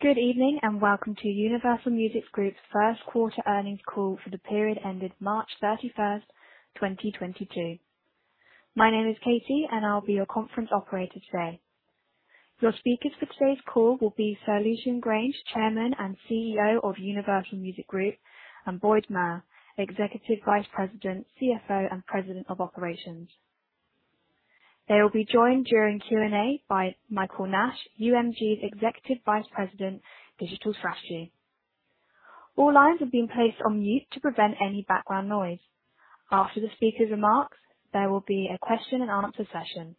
Good evening, and welcome to Universal Music Group's first quarter earnings call for the period ended March 31st, 2022. My name is Katie, and I'll be your conference operator today. Your speakers for today's call will be Sir Lucian Grainge, Chairman and CEO of Universal Music Group, and Boyd Muir, Executive Vice President, CFO, and President of Operations. They will be joined during Q&A by Michael Nash, UMG's Executive Vice President, Digital Strategy. All lines have been placed on mute to prevent any background noise. After the speaker's remarks, there will be a question and answer session.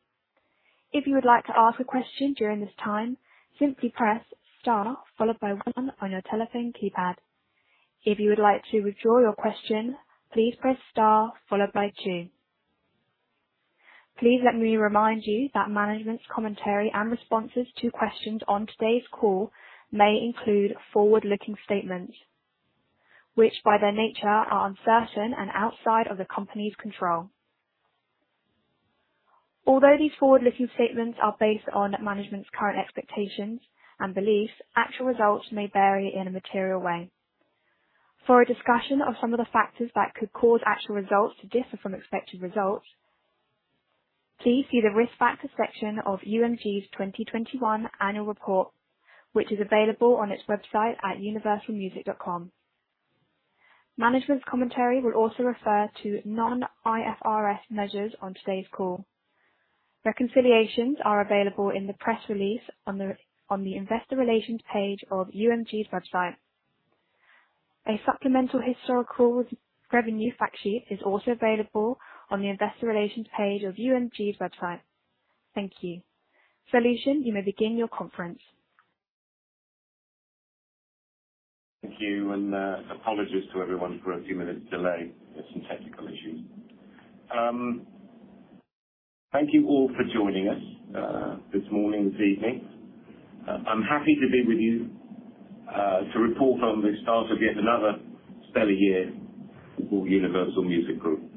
If you would like to ask a question during this time, simply press Star followed by One on your telephone keypad. If you would like to withdraw your question, please press Star followed by Two. Please let me remind you that management's commentary and responses to questions on today's call may include forward-looking statements, which, by their nature, are uncertain and outside of the company's control. Although these forward-looking statements are based on management's current expectations and beliefs, actual results may vary in a material way. For a discussion of some of the factors that could cause actual results to differ from expected results, please see the Risk Factors section of UMG's 2021 annual report, which is available on its website at universalmusic.com. Management's commentary will also refer to non-IFRS measures on today's call. Reconciliations are available in the press release on the investor relations page of UMG's website. A supplemental historical revenue fact sheet is also available on the investor relations page of UMG's website. Thank you. Sir Lucian, you may begin your conference. Thank you, and, apologies to everyone for a few minutes delay. We had some technical issues. Thank you all for joining us, this morning, this evening. I'm happy to be with you, to report on the start of yet another stellar year for Universal Music Group.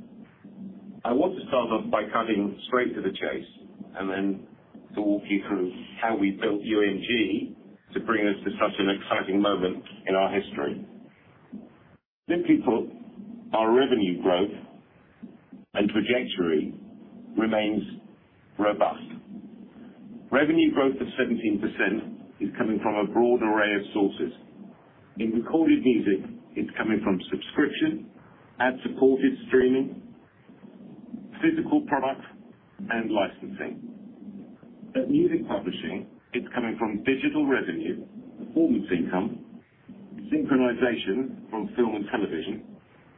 I want to start off by cutting straight to the chase and then to walk you through how we built UMG to bring us to such an exciting moment in our history. Simply put, our revenue growth and trajectory remains robust. Revenue growth of 17% is coming from a broad array of sources. In recorded music, it's coming from subscription, ad-supported streaming, physical products, and licensing. At music publishing, it's coming from digital revenue, performance income, synchronization from film and television,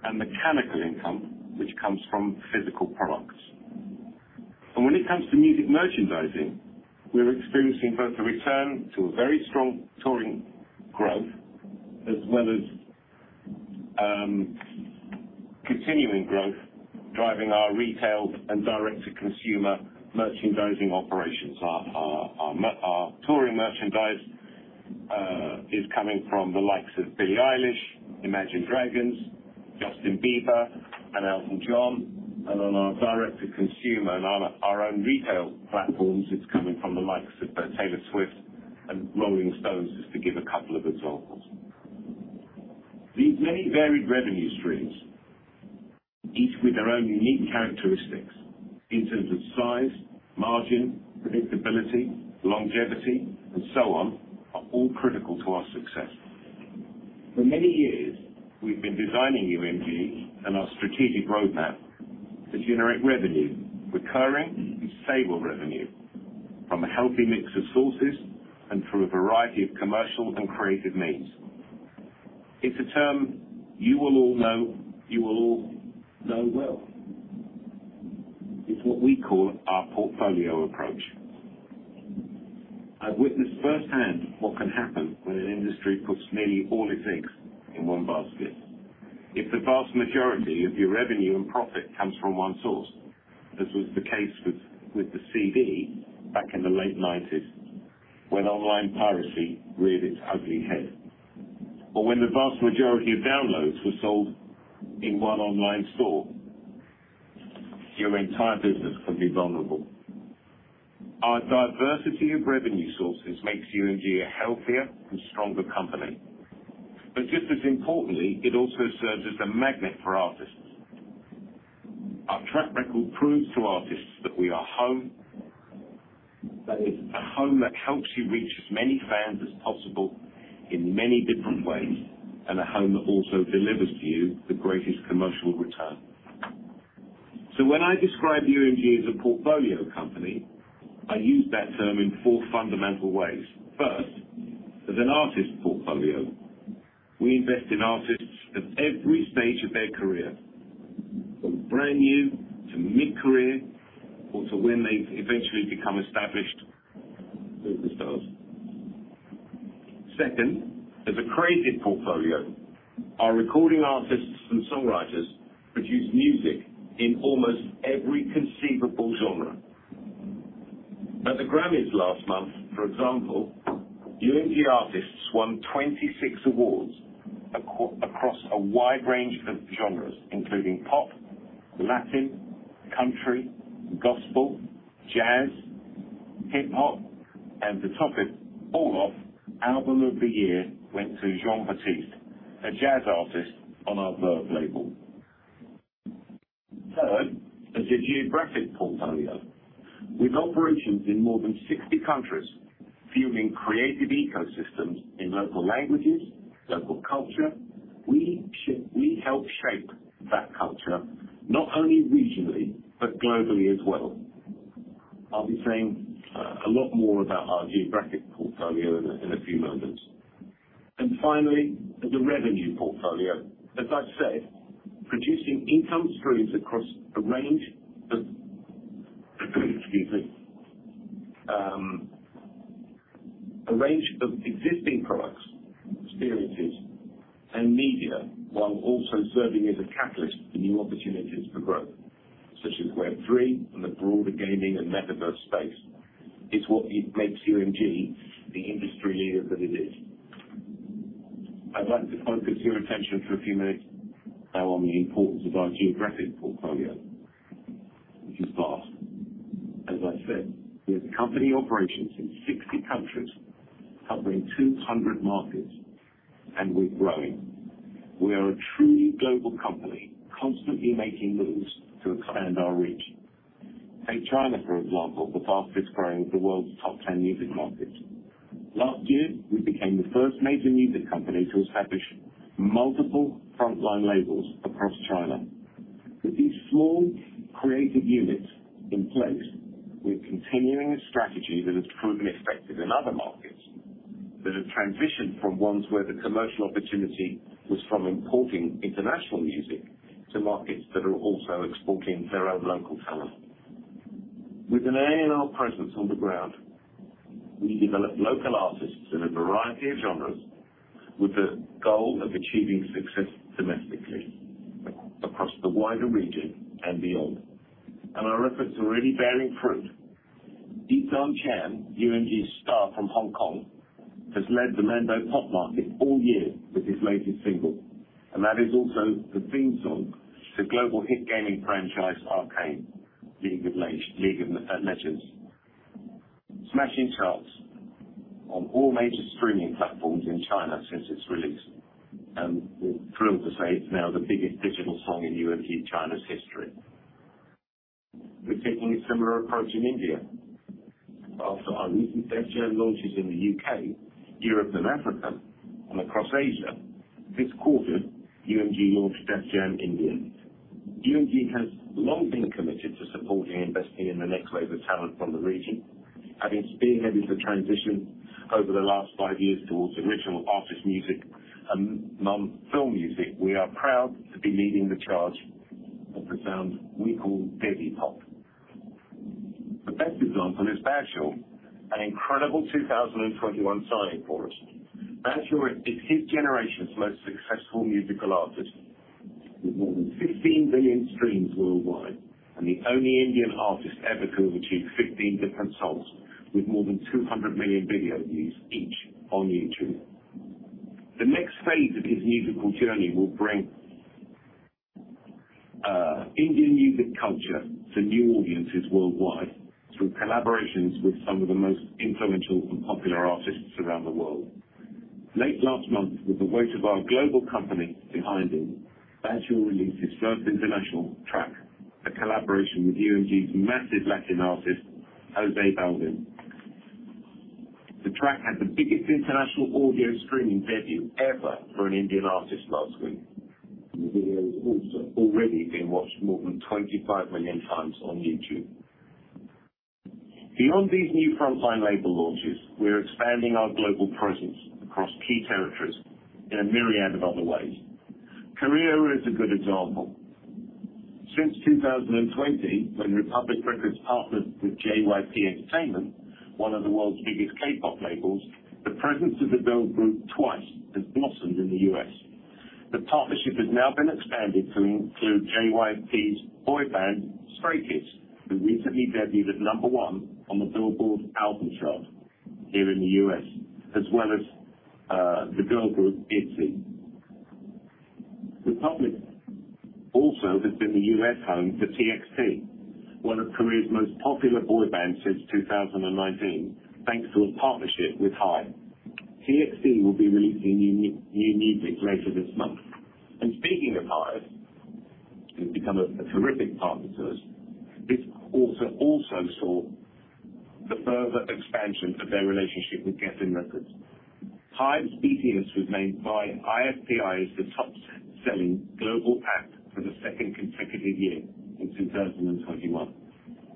and mechanical income, which comes from physical products. When it comes to music merchandising, we're experiencing both a return to a very strong touring growth as well as continuing growth driving our retail and direct-to-consumer merchandising operations. Our touring merchandise is coming from the likes of Billie Eilish, Imagine Dragons, Justin Bieber, and Elton John. On our direct-to-consumer and our own retail platforms, it's coming from the likes of both Taylor Swift and Rolling Stones, just to give a couple of examples. These many varied revenue streams, each with their own unique characteristics in terms of size, margin, predictability, longevity, and so on, are all critical to our success. For many years, we've been designing UMG and our strategic roadmap to generate revenue, recurring and stable revenue from a healthy mix of sources and through a variety of commercial and creative means. It's a term you will all know, you will all know well. It's what we call our portfolio approach. I've witnessed firsthand what can happen when an industry puts nearly all its eggs in one basket. If the vast majority of your revenue and profit comes from one source, as was the case with the CD back in the late nineties, when online piracy reared its ugly head. When the vast majority of downloads were sold in one online store, your entire business can be vulnerable. Our diversity of revenue sources makes UMG a healthier and stronger company. Just as importantly, it also serves as a magnet for artists. Our track record proves to artists that we are home. That it's a home that helps you reach as many fans as possible in many different ways, and a home that also delivers to you the greatest commercial return. When I describe UMG as a portfolio company, I use that term in four fundamental ways. First, as an artist portfolio. We invest in artists at every stage of their career, from brand new to mid-career or to when they eventually become established superstars. Second, as a creative portfolio. Our recording artists and songwriters produce music in almost every conceivable genre. At the Grammys last month, for example, UMG artists won 26 awards across a wide range of genres, including pop, Latin, country, gospel, jazz, hip-hop, and to top it all off, Album of the Year went to Jon Batiste, a jazz artist on our Verve label. Third is the geographic portfolio. With operations in more than 60 countries, fueling creative ecosystems in local languages, local culture, we help shape that culture, not only regionally, but globally as well. I'll be saying a lot more about our geographic portfolio in a few moments. Finally, the revenue portfolio. As I've said, producing income streams across a range of existing products, experiences, and media, while also serving as a catalyst for new opportunities for growth, such as Web3 and the broader gaming and metaverse space, is what makes UMG the industry leader that it is. I'd like to focus your attention for a few minutes now on the importance of our geographic portfolio, which is vast. As I said, we have company operations in 60 countries, covering 200 markets, and we're growing. We are a truly global company, constantly making moves to expand our reach. Take China, for example, the fastest-growing of the world's top ten music markets. Last year, we became the first major music company to establish multiple frontline labels across China. With these small creative units in place, we're continuing a strategy that has proven effective in other markets that have transitioned from ones where the commercial opportunity was from importing international music to markets that are also exporting their own local talent. With an A&R presence on the ground, we develop local artists in a variety of genres with the goal of achieving success domestically across the wider region and beyond. Our efforts are already bearing fruit. Eason Chan, UMG's star from Hong Kong, has led the Mandopop market all year with his latest single, and that is also the theme song to global hit gaming franchise Arcane: League of Legends. It is smashing charts on all major streaming platforms in China since its release, and we're thrilled to say it's now the biggest digital song in UMG China's history. We're taking a similar approach in India. After our recent Def Jam launches in the U.K., Europe and Africa, and across Asia, this quarter, UMG launched Def Jam India. UMG has long been committed to supporting and investing in the next wave of talent from the region, having spearheaded the transition over the last five years towards original artist music and non-film music. We are proud to be leading the charge of the sound we call Desi Pop. The best example is Badshah, an incredible 2021 signing for us. Badshah is his generation's most successful musical artist, with more than 15 billion streams worldwide and the only Indian artist ever to have achieved 15 different songs with more than 200 million video views each on YouTube. The next phase of his musical journey will bring Indian music culture to new audiences worldwide through collaborations with some of the most influential and popular artists around the world. Late last month, with the weight of our global company behind him, Badshah released his first international track, a collaboration with UMG's massive Latin artist, J Balvin. The track had the biggest international audio streaming debut ever for an Indian artist last week. The video has also already been watched more than 25 million times on YouTube. Beyond these new frontline label launches, we're expanding our global presence across key territories in a myriad of other ways. Korea is a good example. Since 2020, when Republic Records partnered with JYP Entertainment, one of the world's biggest K-pop labels, the presence of the girl group Twice has blossomed in the U.S. The partnership has now been expanded to include JYP's boy band, Stray Kids, who recently debuted at number one on the Billboard album chart here in the U.S., as well as, the girl group Itzy. Republic also has been the U.S. home for TXT, one of Korea's most popular boy bands since 2019, thanks to a partnership with HYBE. TXT will be releasing new music later this month. Speaking of HYBE, who's become a terrific partner to us, this also saw the further expansion of their relationship with Geffen Records. HYBE's BTS was named by IFPI as the top-selling global act for the second consecutive year in 2021.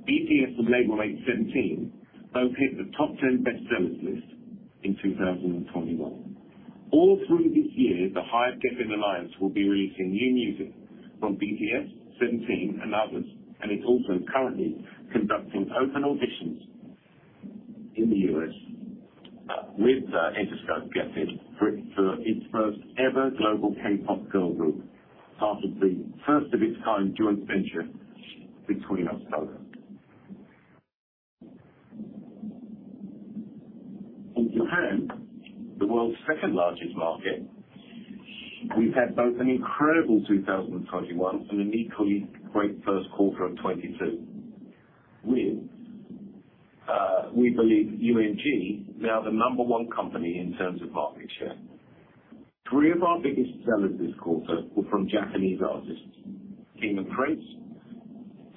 BTS and labelmate Seventeen both hit the top 10 bestsellers list in 2021. All through this year, the HYBE-Geffen alliance will be releasing new music from BTS, Seventeen, and others, and it's also currently conducting open auditions in the U.S. with Interscope Geffen for its first-ever global K-pop girl group, part of the first of its kind joint venture between ourselves. In Japan, the world's second-largest market, we've had both an incredible 2021 and an equally great first quarter of 2022. With, we believe, UMG now the number one company in terms of market share. Three of our biggest sellers this quarter were from Japanese artists, King & Prince,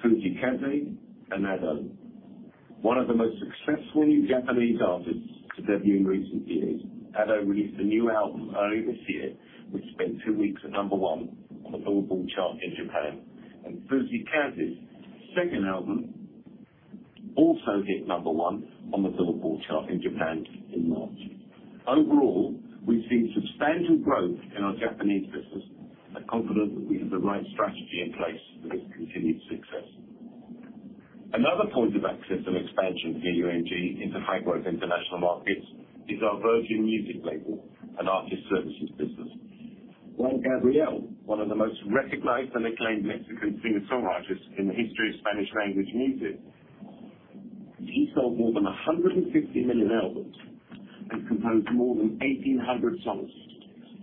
Fujii Kaze, and Ado. One of the most successful new Japanese artists to debut in recent years. Ado released a new album early this year, which spent two weeks at number one on the Billboard chart in Japan, and Fujii Kaze's second album also hit number one on the Billboard chart in Japan in March. Overall, we've seen substantial growth in our Japanese business. I'm confident that we have the right strategy in place for this continued success. Another point of access and expansion for UMG into high-growth international markets is our Virgin Music label and artist services business. Juan Gabriel, one of the most recognized and acclaimed Mexican singer-songwriters in the history of Spanish language music. He sold more than 150 million albums and composed more than 1,800 songs.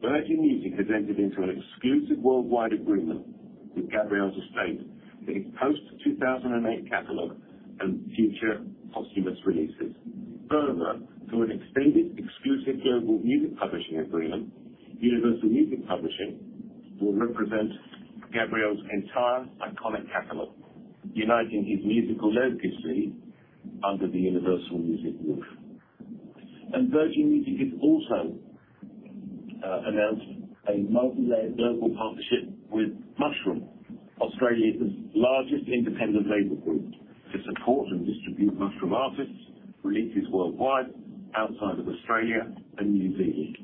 Virgin Music has entered into an exclusive worldwide agreement with Juan Gabriel's estate for his post-2008 catalog and future posthumous releases. Further, through an extended exclusive global music publishing agreement, Universal Music Publishing will represent Juan Gabriel's entire iconic catalog, uniting his musical legacy under the Universal Music roof. Virgin Music has also announced a multilayered global partnership with Mushroom Group, Australia's largest independent label group, to support and distribute Mushroom artists' releases worldwide outside of Australia and New Zealand.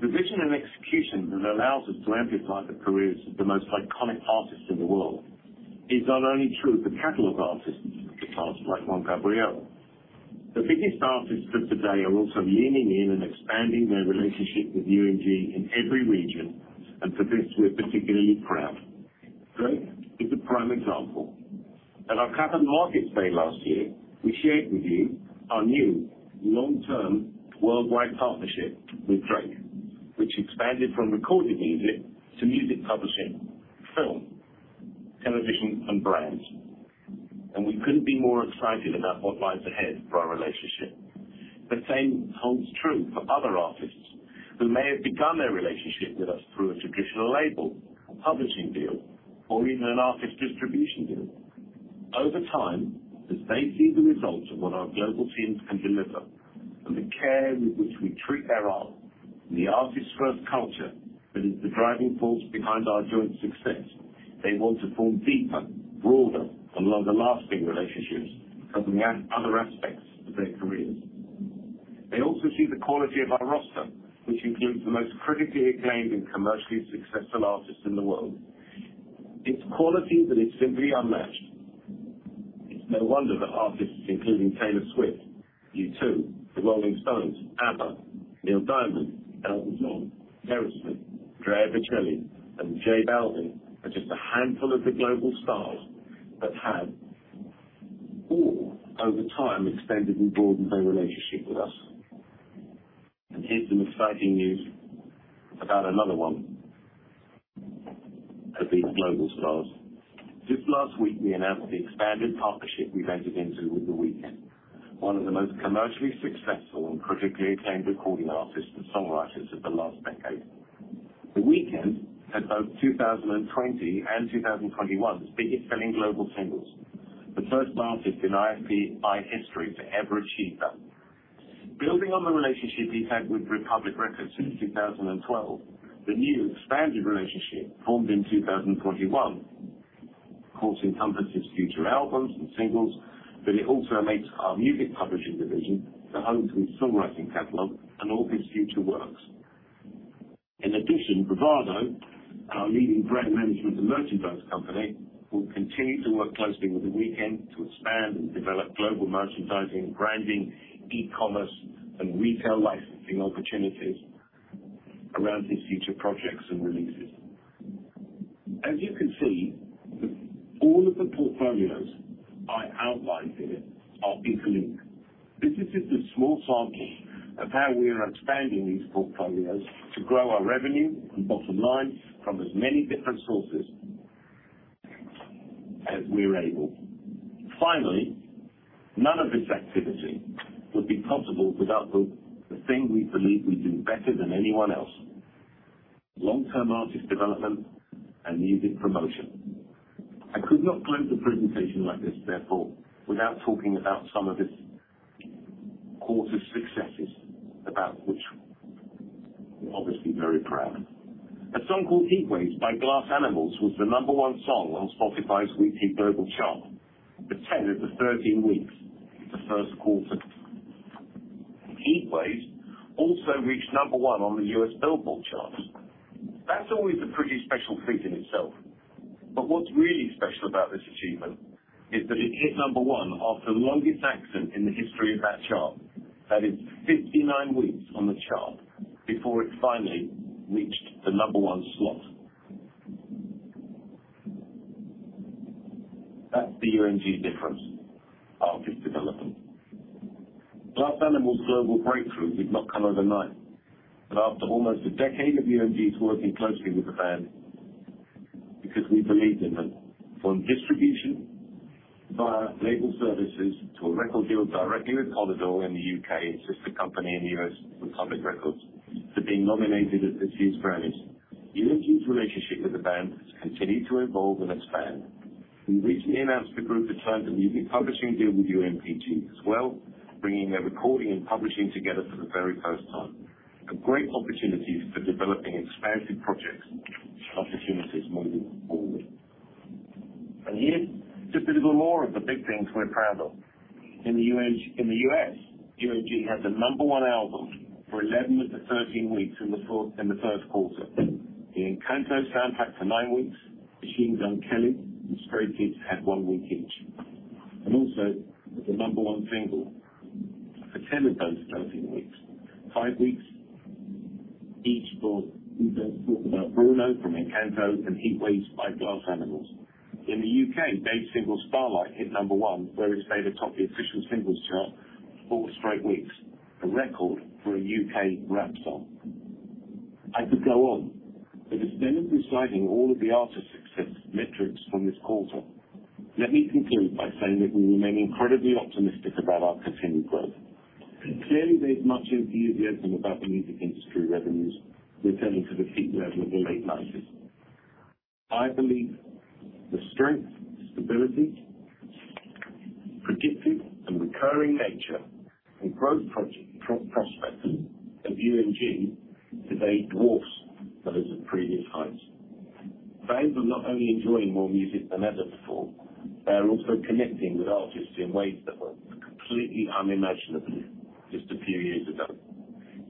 The vision and execution that allows us to amplify the careers of the most iconic artists in the world is not only true for catalog artists of the past, like Juan Gabriel. The biggest artists of today are also leaning in and expanding their relationship with UMG in every region, and for this we're particularly proud. Drake is a prime example. At our Capital Markets Day last year, we shared with you our new long-term worldwide partnership with Drake, which expanded from recorded music to music publishing, film, television, and brands. We couldn't be more excited about what lies ahead for our relationship. The same holds true for other artists who may have begun their relationship with us through a traditional label, a publishing deal, or even an artist distribution deal. Over time, as they see the results of what our global teams can deliver and the care with which we treat their art and the artist-first culture that is the driving force behind our joint success, they want to form deeper, broader, and longer-lasting relationships covering other aspects of their careers. They also see the quality of our roster, which includes the most critically acclaimed and commercially successful artists in the world. It's quality that is simply unmatched. It's no wonder that artists including Taylor Swift, U2, The Rolling Stones, ABBA, Neil Diamond, Elton John, Aerosmith, Andrea Bocelli, and J Balvin are just a handful of the global stars that have all, over time, expanded and broadened their relationship with us. Here's some exciting news about another one of these global stars. Just last week, we announced the expanded partnership we've entered into with The Weeknd, one of the most commercially successful and critically acclaimed recording artists and songwriters of the last decade. The Weeknd had both 2020 and 2021's biggest-selling global singles, the first artist in IFPI history to ever achieve that. Building on the relationship he's had with Republic Records since 2012, the new expanded relationship formed in 2021, of course, encompasses future albums and singles, but it also makes our music publishing division the home to his songwriting catalog and all of his future works. In addition, Bravado, our leading brand management and merchandise company, will continue to work closely with The Weeknd to expand and develop global merchandising, branding, e-commerce, and retail licensing opportunities around his future projects and releases. As you can see, all of the portfolios I outlined here are interlinked. This is just a small sample of how we are expanding these portfolios to grow our revenue and bottom line from as many different sources as we are able. Finally, none of this activity would be possible without the thing we believe we do better than anyone else, long-term artist development and music promotion. I could not close a presentation like this, therefore, without talking about some of this quarter's successes, about which we're obviously very proud. A song called Heat Waves by Glass Animals was the number one song on Spotify's weekly global chart for 10 of the 13 weeks this first quarter. Heat Waves also reached number one on the U.S. Billboard charts. That's always a pretty special feat in itself. What's really special about this achievement is that it hit number one after the longest ascent in the history of that chart. That is 59 weeks on the chart before it finally reached the number one slot. That's the UMG difference, artist development. Glass Animals' global breakthrough did not come overnight, but after almost a decade of UMG's working closely with the band because we believed in them. From distribution via label services to a record deal directly with Polydor in the U.K. and sister company in the U.S. Republic Records, to being nominated at this year's Grammys. UMG's relationship with the band has continued to evolve and expand. We recently announced the group had signed a new publishing deal with UMPG as well, bringing their recording and publishing together for the very first time. A great opportunity for developing expansive projects and opportunities moving forward. Here's just a little more of the big things we're proud of. In the U.S., UMG had the number one album for 11 of the 13 weeks in the first quarter. The Encanto soundtrack for nine weeks, Machine Gun Kelly, and Stray Kids had one week each. Also with the number one single for 10 of those 13 weeks. five weeks each for We Don't Talk About Bruno from Encanto, and Heat Waves by Glass Animals. In the U.K., Dave's single Starlight hit number one, where it stayed atop the official singles chart for four straight weeks, a record for a U.K. rap song. I could go on, but instead of reciting all of the artist success metrics from this quarter, let me conclude by saying that we remain incredibly optimistic about our continued growth. We've clearly made much of the enthusiasm about the music industry revenues returning to the peak level of the late 1990s. I believe the strength, stability, predictive and recurring nature, and growth prospects of UMG today dwarfs those of previous heights. Fans are not only enjoying more music than ever before, they are also connecting with artists in ways that were completely unimaginable just a few years ago.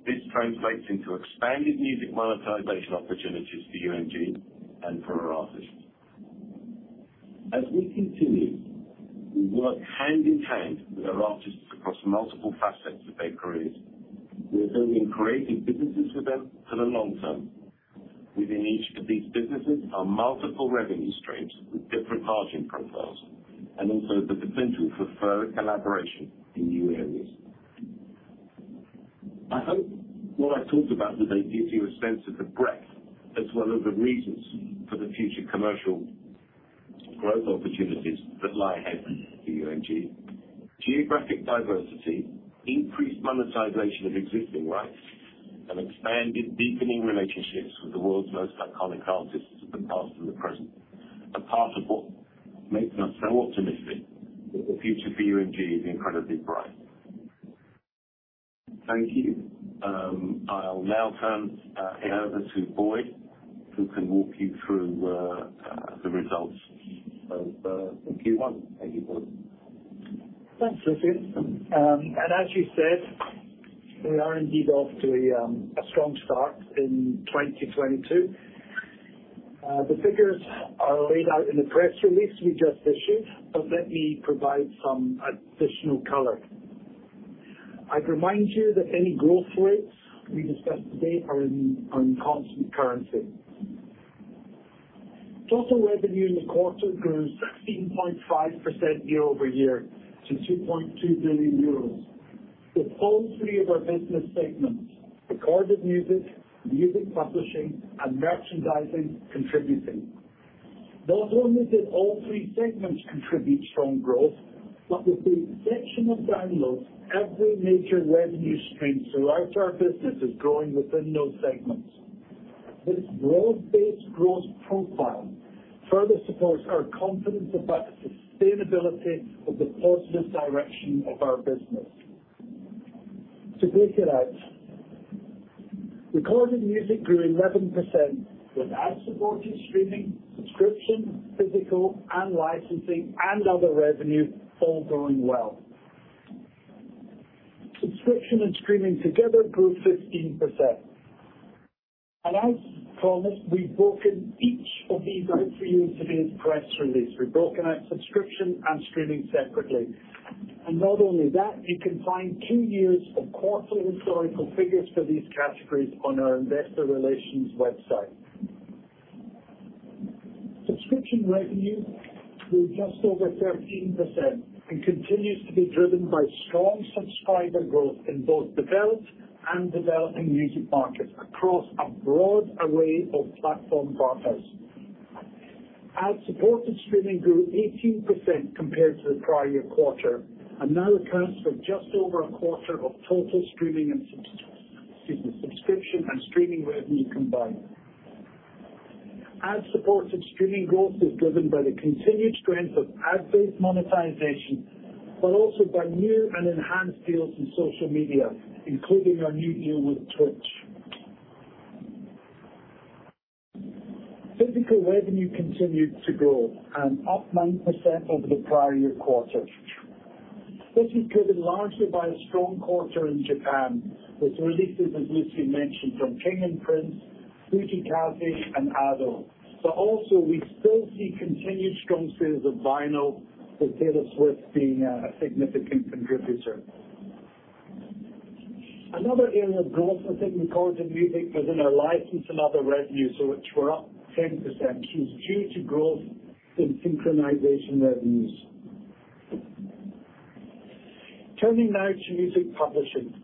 This translates into expanded music monetization opportunities for UMG and for our artists. As we continue, we work hand-in-hand with our artists across multiple facets of their careers. We are building creative businesses with them for the long term. Within each of these businesses are multiple revenue streams with different margin profiles, and also the potential for further collaboration in new areas. I hope what I've talked about today gives you a sense of the breadth as well as the reasons for the future commercial growth opportunities that lie ahead for UMG. Geographic diversity, increased monetization of existing rights, and expanded, deepening relationships with the world's most iconic artists of the past and the present are part of what makes us so optimistic that the future for UMG is incredibly bright. Thank you. I'll now turn it over to Boyd, who can walk you through the results of Q1. Thank you, Boyd. Thanks, Lucian. As you said, we are indeed off to a strong start in 2022. The figures are laid out in the press release we just issued, but let me provide some additional color. I'd remind you that any growth rates we discuss today are in constant currency. Total revenue in the quarter grew 16.5% YoY to 2.2 billion euros, with all three of our business segments, recorded music publishing, and merchandising contributing. Not only did all three segments contribute strong growth, but with the exception of downloads, every major revenue stream through our services is growing within those segments. This broad-based growth profile further supports our confidence about the sustainability of the positive direction of our business. To break it out, recorded music grew 11%, with ad-supported streaming, subscription, physical and licensing and other revenue all growing well. Subscription and streaming together grew 15%. As promised, we've broken each of these out for you today in the press release. We've broken out subscription and streaming separately. Not only that, you can find two years of quarterly historical figures for these categories on our investor relations website. Subscription revenue grew just over 13% and continues to be driven by strong subscriber growth in both developed and developing music markets across a broad array of platform partners. Ad-supported streaming grew 18% compared to the prior year quarter and now accounts for just over a quarter of total streaming and subscription and streaming revenue combined. Ad-supported streaming growth is driven by the continued strength of ad-based monetization, but also by new and enhanced deals in social media, including our new deal with Twitch. Physical revenue continued to grow and up 9% over the prior year quarter. This is driven largely by a strong quarter in Japan, with releases, as Lucian mentioned, from King & Prince. Also we still see continued strong sales of vinyl, with Taylor Swift being a significant contributor. Another area of growth within Recorded Music was in our license and other revenues, which were up 10%. This is due to growth in synchronization revenues. Turning now to Music Publishing.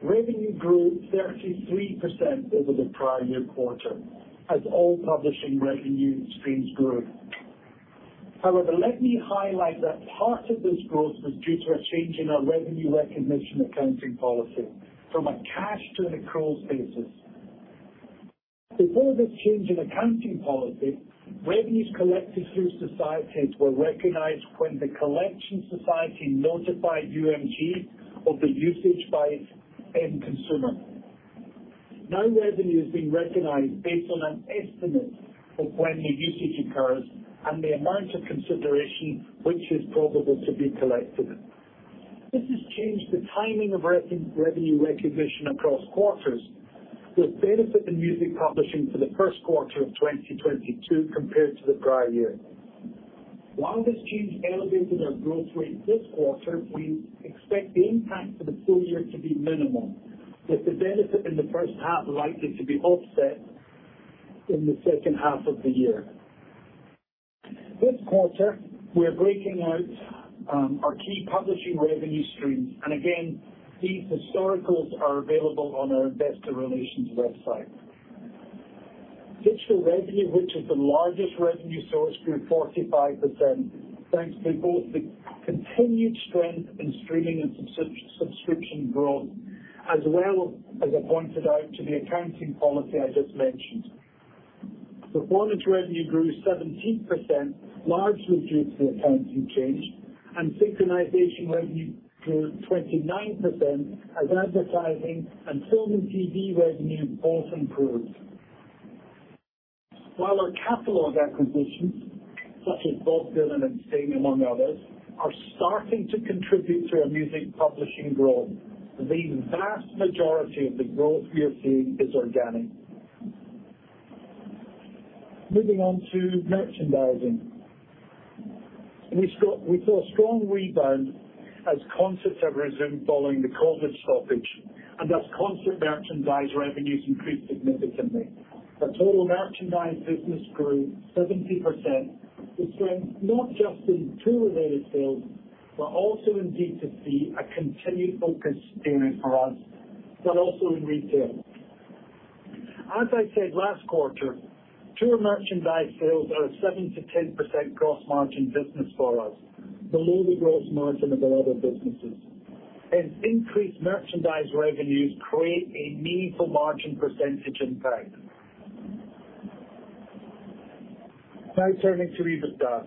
Revenue grew 33% over the prior year quarter as all publishing revenue streams grew. However, let me highlight that part of this growth was due to a change in our revenue recognition accounting policy from a cash to an accrual basis. Before this change in accounting policy, revenues collected through societies were recognized when the collection society notified UMG of the usage by its end consumer. Now revenue is being recognized based on an estimate of when the usage occurs and the amount of consideration which is probable to be collected. This has changed the timing of revenue recognition across quarters with benefit in Music Publishing for the first quarter of 2022 compared to the prior year. While this change elevated our growth rate this quarter, we expect the impact for the full year to be minimal, with the benefit in the first half likely to be offset in the second half of the year. This quarter, we're breaking out our key publishing revenue streams. These historicals are available on our investor relations website. Digital revenue, which is the largest revenue source, grew 45%, thanks to both the continued strength in streaming and subscription growth, as well as I pointed out, to the accounting policy I just mentioned. Performance revenue grew 17%, largely due to the accounting change, and synchronization revenue grew 29% as advertising and film and TV revenue both improved. While our catalog acquisitions, such as Bob Dylan and Sting, among others, are starting to contribute to our music publishing growth, the vast majority of the growth we are seeing is organic. Moving on to merchandising. We saw a strong rebound as concerts have resumed following the COVID stoppage, and thus concert merchandise revenues increased significantly. Our total merchandise business grew 70% with strength, not just in tour-related sales, but also in D2C, a continued focus area for us, but also in retail. As I said last quarter, tour merchandise sales are a 7%-10% gross margin business for us, below the gross margin of our other businesses. Increased merchandise revenues create a meaningful margin percentage impact. Now turning to EBITDA.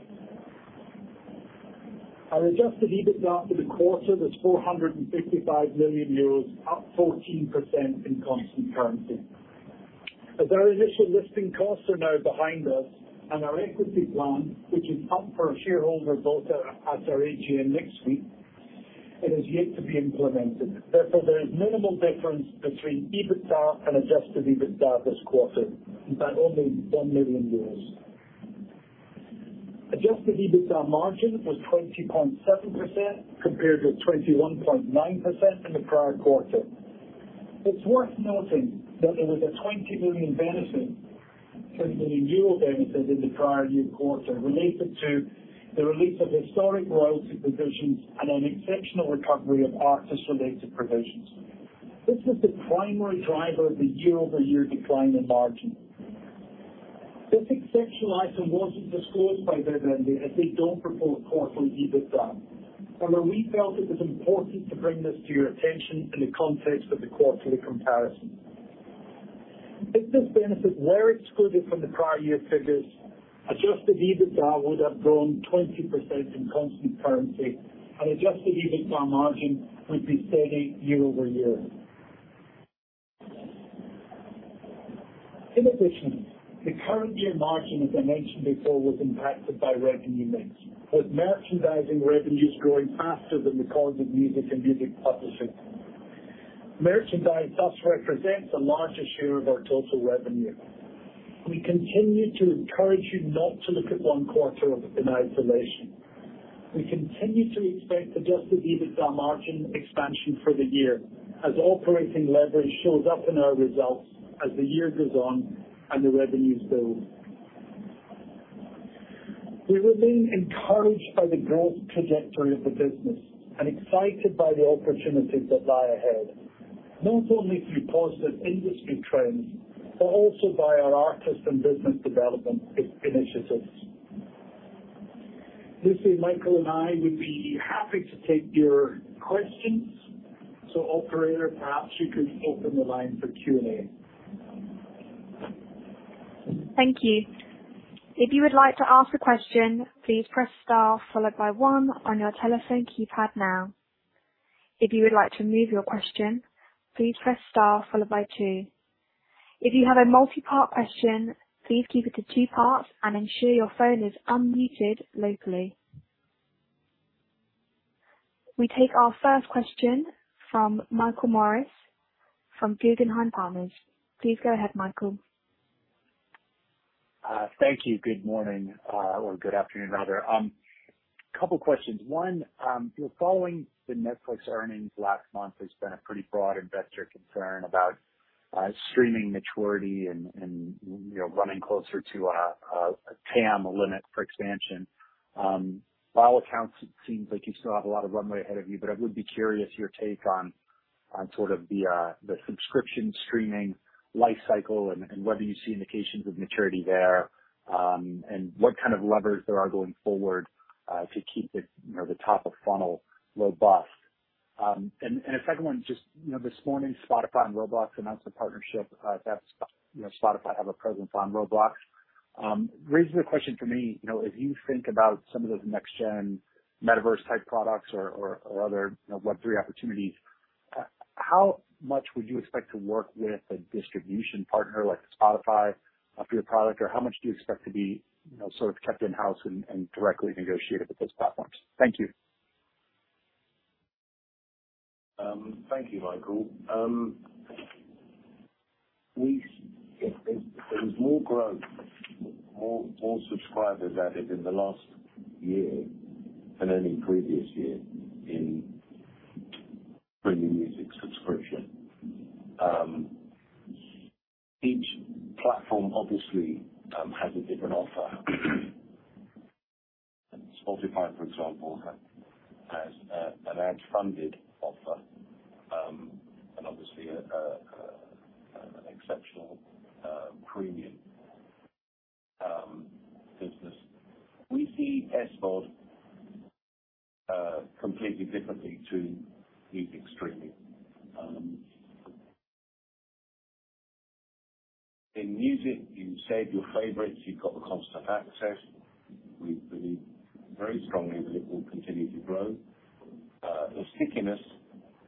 Our adjusted EBITDA for the quarter was 455 million euros, up 14% in constant currency. As our initial listing costs are now behind us and our equity plan, which is up for a shareholder vote at our AGM next week, it is yet to be implemented. Therefore, there is minimal difference between EBITDA and adjusted EBITDA this quarter, by only 1 million. Adjusted EBITDA margin was 20.7% compared to 21.9% in the prior quarter. It's worth noting that there was a 20 million benefit from the renewal benefit in the prior year quarter related to the release of historic royalty provisions and an exceptional recovery of artist-related provisions. This was the primary driver of the YoY decline in margin. This exceptional item wasn't disclosed by Vivendi as they don't report quarterly EBITDA, however we felt it was important to bring this to your attention in the context of the quarterly comparison. If this benefit were excluded from the prior year figures, adjusted EBITDA would have grown 20% in constant currency and adjusted EBITDA margin would be steady YoY. In addition, the current year margin, as I mentioned before, was impacted by revenue mix, with Merchandising revenues growing faster than Recorded Music and Music Publishing. Merchandise thus represents the largest share of our total revenue. We continue to encourage you not to look at one quarter in isolation. We continue to expect adjusted EBITDA margin expansion for the year as operating leverage shows up in our results as the year goes on and the revenues build. We remain encouraged by the growth trajectory of the business and excited by the opportunities that lie ahead, not only through positive industry trends, but also by our artist and business development initiatives. Lucian, Michael, and I would be happy to take your questions. Operator, perhaps you could open the line for Q&A. Thank you. If you would like to ask a question, please press star followed by one on your telephone keypad now. If you would like to remove your question, please press star followed by two. If you have a multi-part question, please keep it to two parts and ensure your phone is unmuted locally. We take our first question from Michael Morris from Guggenheim Partners. Please go ahead, Michael. Thank you. Good morning or good afternoon, rather. Couple questions. One, you're following the Netflix earnings last month, there's been a pretty broad investor concern about streaming maturity and, you know, running closer to a TAM limit for expansion. By all accounts, it seems like you still have a lot of runway ahead of you, but I would be curious your take on sort of the subscription streaming life cycle and whether you see indications of maturity there, and what kind of levers there are going forward to keep the, you know, the top of funnel robust. A second one, just, you know, this morning, Spotify and Roblox announced a partnership, that's, you know, Spotify have a presence on Roblox. Raises a question for me, you know, as you think about some of those next-gen metaverse type products or other, you know, Web3 opportunities, how much would you expect to work with a distribution partner like Spotify for your product, or how much do you expect to be, you know, sort of kept in-house and directly negotiated with those platforms? Thank you. Thank you, Michael. There's more growth, more subscribers added in the last year than any previous year in premium music subscription. Each platform obviously has a different offer. Spotify, for example, has an ad-funded offer and obviously an exceptional premium business. We see SVOD completely differently to music streaming. In music, you save your favorites, you've got the constant access. We believe very strongly that it will continue to grow. The stickiness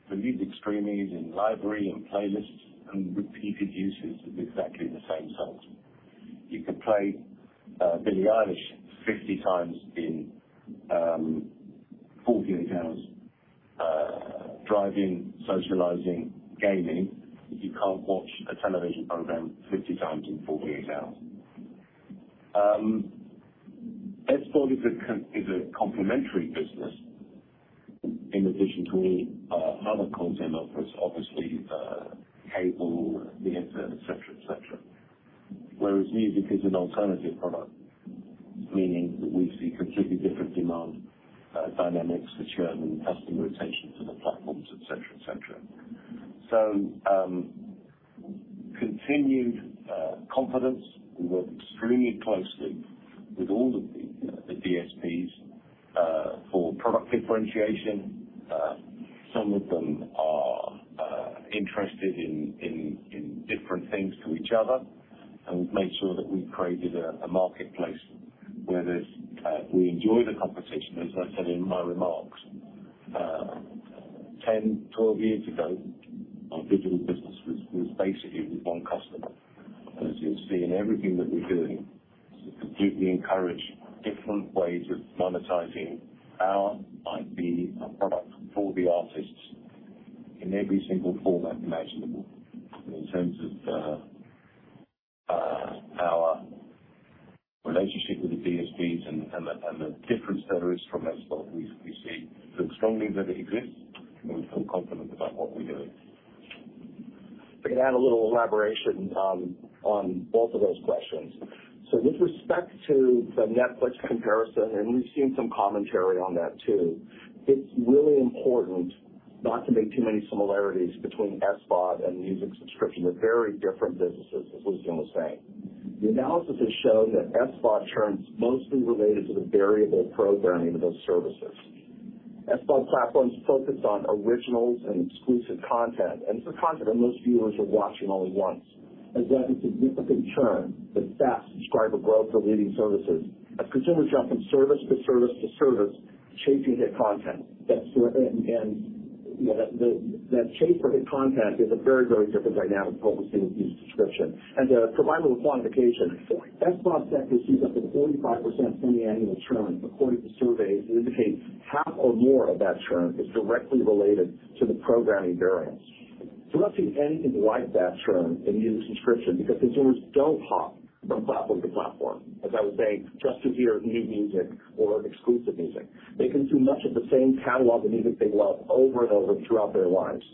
for music streaming is in library and playlists and repeated uses with exactly the same songs. You could play Billie Eilish 50 times in 48 hours driving, socializing, gaming. You can't watch a television program 50 times in 48 hours. SVOD is a complementary business in addition to any other content offers, obviously, cable, the internet, et cetera. Whereas music is an alternative product, meaning that we see completely different demand dynamics to churn and customer retention for the platforms, et cetera. Continued confidence. We work extremely closely with all of the DSPs for product differentiation. Some of them are interested in different things to each other, and we've made sure that we've created a marketplace where we enjoy the competition. As I said in my remarks, 10, 12 years ago, our digital business was basically with one customer. As you'll see in everything that we're doing, we completely encourage different ways of monetizing our IP and product for the artists in every single format imaginable. In terms of our relationship with the DSPs and the difference there is from SVOD, we're strongly that it exists, and we feel confident about what we're doing. If I can add a little elaboration on both of those questions. With respect to the Netflix comparison, and we've seen some commentary on that too, it's really important not to make too many similarities between SVOD and music subscription. They're very different businesses, as Lucian was saying. The analysis has shown that SVOD churn is mostly related to the variable programming of those services. SVOD platforms focus on originals and exclusive content, and it's the content that most viewers are watching only once. As a result, significant churn with fast subscriber growth for leading services. As consumers jump from service to service, chasing hit content. You know, that chase for hit content is a very, very different dynamic from what we see with music subscription. To provide a little quantification. SVOD sector sees up to 45% semiannual churn according to surveys, and indicates half or more of that churn is directly related to the programming variance. We're not seeing anything like that churn in music subscription because consumers don't hop from platform to platform, as I was saying, just to hear new music or exclusive music. They consume much of the same catalog of music they love over and over throughout their lives.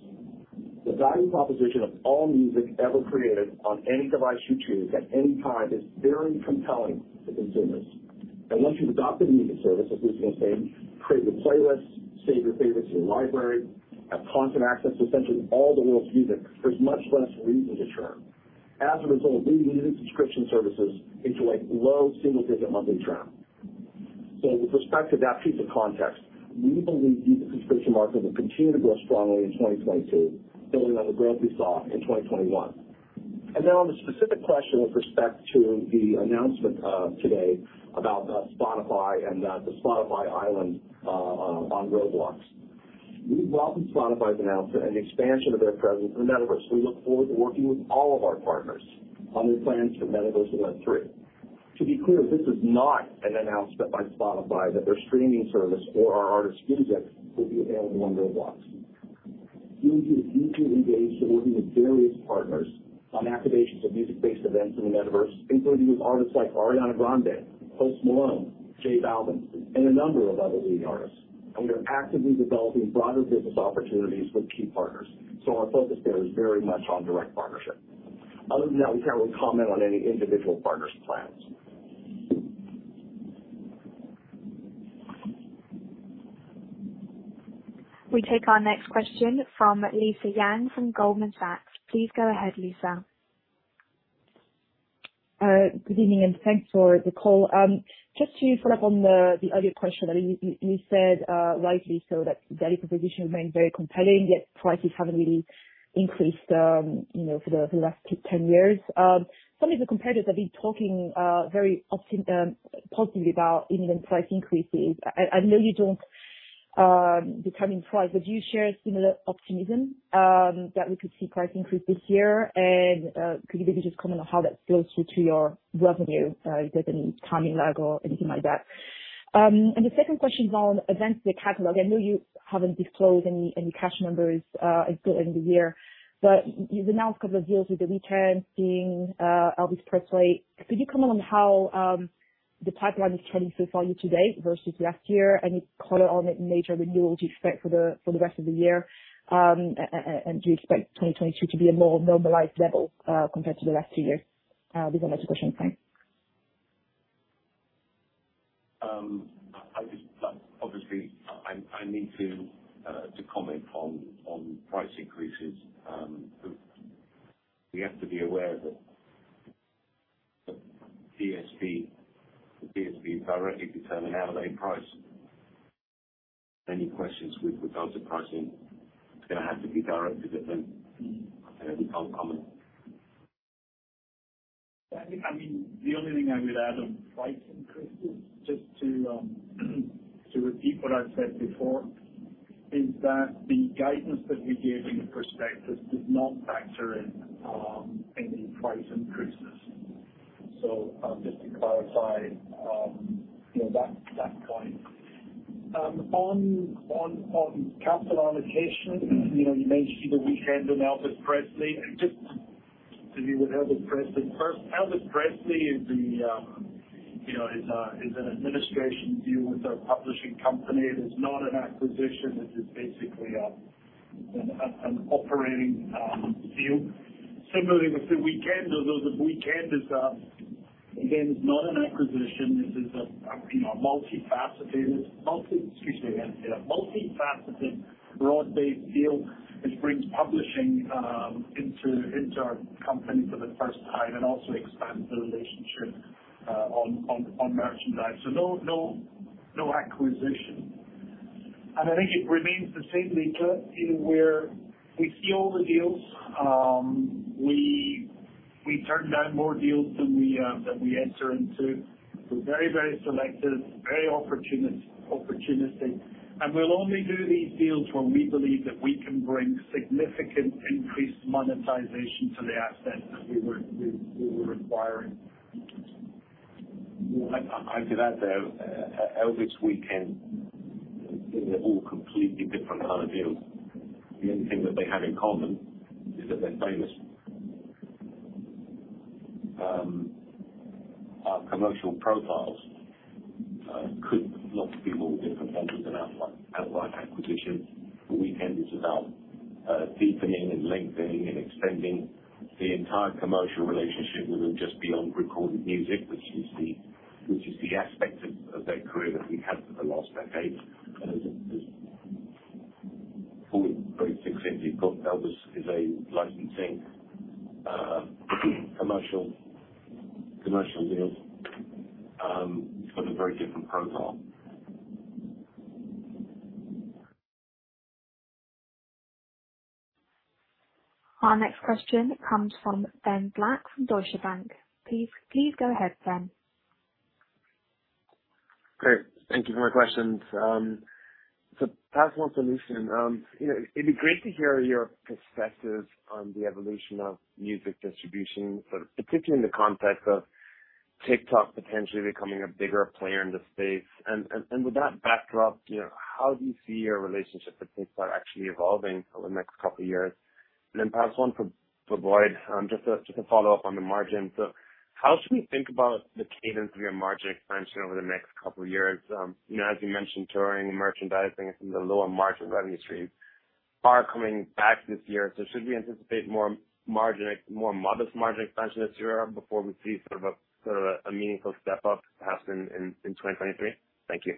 The value proposition of all music ever created on any device you choose at any time is very compelling to consumers. Once you've adopted the music service, as Lucian was saying, create your playlists, save your favorites to your library, have constant access to essentially all the world's music, there's much less reason to churn. As a result, leading music subscription services enjoy low single-digit monthly churn. With respect to that piece of context, we believe music subscription market will continue to grow strongly in 2022, building on the growth we saw in 2021. On the specific question with respect to the announcement today about Spotify and the Spotify Island on Roblox. We welcome Spotify's announcement and expansion of their presence in the metaverse. We look forward to working with all of our partners on their plans for metaverse and Web3. To be clear, this is not an announcement by Spotify that their streaming service or our artist music will be available on Roblox. UMG is deeply engaged in working with various partners on activations of music-based events in the Metaverse, including with artists like Ariana Grande, Post Malone, J Balvin, and a number of other leading artists. We are actively developing broader business opportunities with key partners. Our focus there is very much on direct partnership. Other than that, we can't really comment on any individual partner's plans. We take our next question from Lisa Yang from Goldman Sachs. Please go ahead, Lisa. Good evening, and thanks for the call. Just to follow up on the earlier question that you said, rightly so that daily proposition remains very compelling, yet prices haven't really increased, you know, for the last ten years. Some of the competitors have been talking very positively about even price increases. I know you don't determine price, but do you share a similar optimism that we could see price increases here? Could you maybe just comment on how that flows through to your revenue? If there's any timing lag or anything like that. The second question is on events in the catalog. I know you haven't disclosed any cash numbers at the end of the year. You've announced a couple of deals with The Weeknd, Sting, Elvis Presley. Could you comment on how the pipeline is trending for you today versus last year? Any color on what major renewals you expect for the rest of the year? And do you expect 2022 to be a more normalized level compared to the last two years? These are my two questions. Thanks. Obviously, I need to comment on price increases. We have to be aware that the DSP directly determines how they price. Any questions with regards to pricing, it's gonna have to be directed at them. It's become common. I think, I mean, the only thing I would add on price increases, just to repeat what I've said before, is that the guidance that we gave in the prospectus does not factor in any price increases. Just to clarify, you know, that point. On capital allocation, you know, you mentioned The Weeknd and Elvis Presley. Just to do with Elvis Presley first. Elvis Presley is an administration deal with a publishing company. It is not an acquisition. It is basically an operating deal. Similarly with The Weeknd, although The Weeknd is again not an acquisition. This is a you know a multifaceted, multi. Excuse me again. Yeah. Multifaceted, broad-based deal, which brings publishing into our company for the first time and also expands the relationship on merchandise. No acquisition. I think it remains the same, Lisa. You know, we see all the deals. We turn down more deals than we enter into. We're very selective, very opportunistic. We'll only do these deals when we believe that we can bring significant increased monetization to the assets that we're acquiring. Well, I could add there, Elvis, The Weeknd, they're all completely different kind of deals. The only thing that they have in common is that they're famous. Our commercial profiles could not be more different than an outright acquisition. The Weeknd is about deepening and lengthening and extending the entire commercial relationship with them just beyond recorded music, which is the aspect of their career that we've had for the last decade. As this fully very succinctly put, Elvis is a licensing commercial deal. It's got a very different profile. Our next question comes from Ben Black from Deutsche Bank. Please, please go ahead, Ben. Great. Thank you for the questions. Perhaps one for Lucian. You know, it'd be great to hear your perspectives on the evolution of music distribution, but particularly in the context of TikTok potentially becoming a bigger player in the space. With that backdrop, you know, how do you see your relationship with TikTok actually evolving over the next couple of years? Perhaps one for Boyd. Just a follow-up on the margins. How should we think about the cadence of your margin expansion over the next couple of years? You know, as you mentioned, touring and merchandising is in the lower margin revenue streams are coming back this year. Should we anticipate more modest margin expansion this year before we see sort of a meaningful step up perhaps in 2023? Thank you.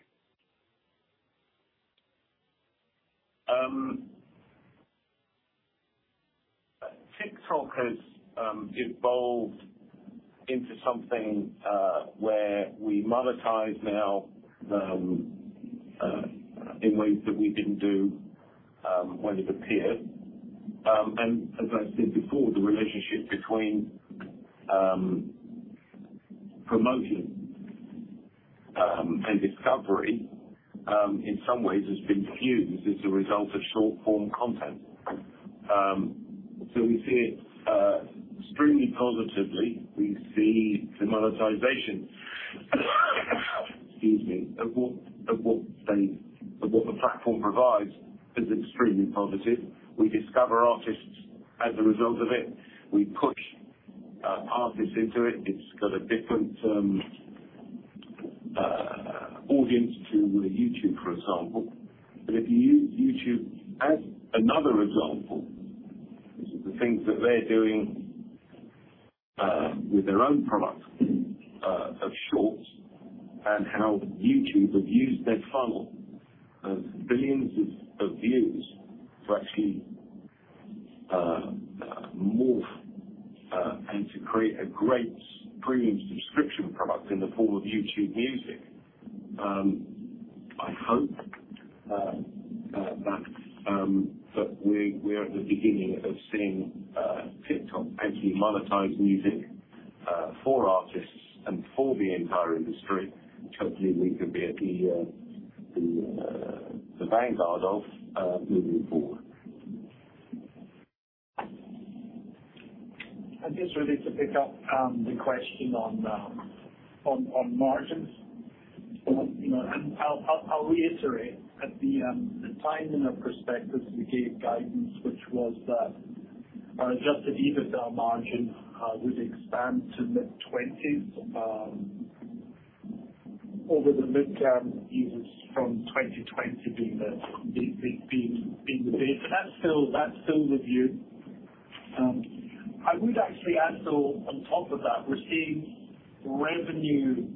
TikTok has evolved into something where we monetize now in ways that we didn't do when it appeared. As I've said before, the relationship between promotion and discovery in some ways has been fused as a result of short-form content. We see it extremely positively. We see the monetization of what the platform provides is extremely positive. We discover artists as a result of it. We push artists into it. It's got a different audience to a YouTube, for example. If you use YouTube as another example, the things that they're doing with their own product of Shorts and how YouTube have used their funnel of billions of views to actually morph and to create a great premium subscription product in the form of YouTube Music. I hope that we're at the beginning of seeing TikTok actually monetize music for artists and for the entire industry. Hopefully we can be at the vanguard of moving forward. I guess really to pick up the question on margins. You know, I'll reiterate at the timing of prospectus, we gave guidance, which was that our adjusted EBITDA margin would expand to mid-20s% over the midterm years from 2020 being the base. That's still the view. I would actually add though, on top of that, we're seeing revenue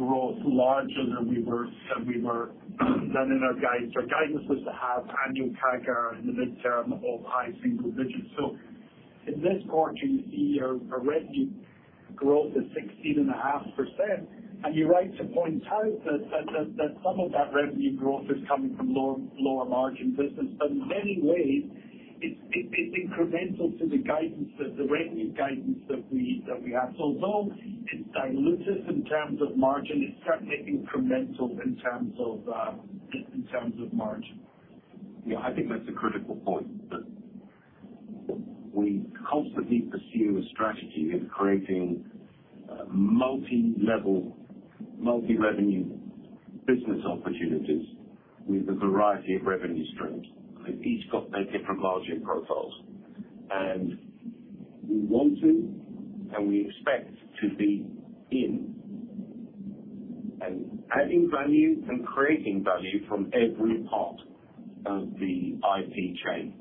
growth larger than we were in our guidance. Our guidance was to have annual CAGR in the midterm of high single digits. In this footnote, you see our revenue growth is 16.5%. You're right to point out that some of that revenue growth is coming from lower margin business, but in many ways it's incremental to the guidance that the revenue guidance that we have. Although it dilutes us in terms of margin, it's certainly incremental in terms of margin. Yeah. I think that's a critical point, that we constantly pursue a strategy of creating multi-level, multi-revenue business opportunities with a variety of revenue streams, and each got their different margin profiles. We want to, and we expect to be in and adding value and creating value from every part of the IP chain.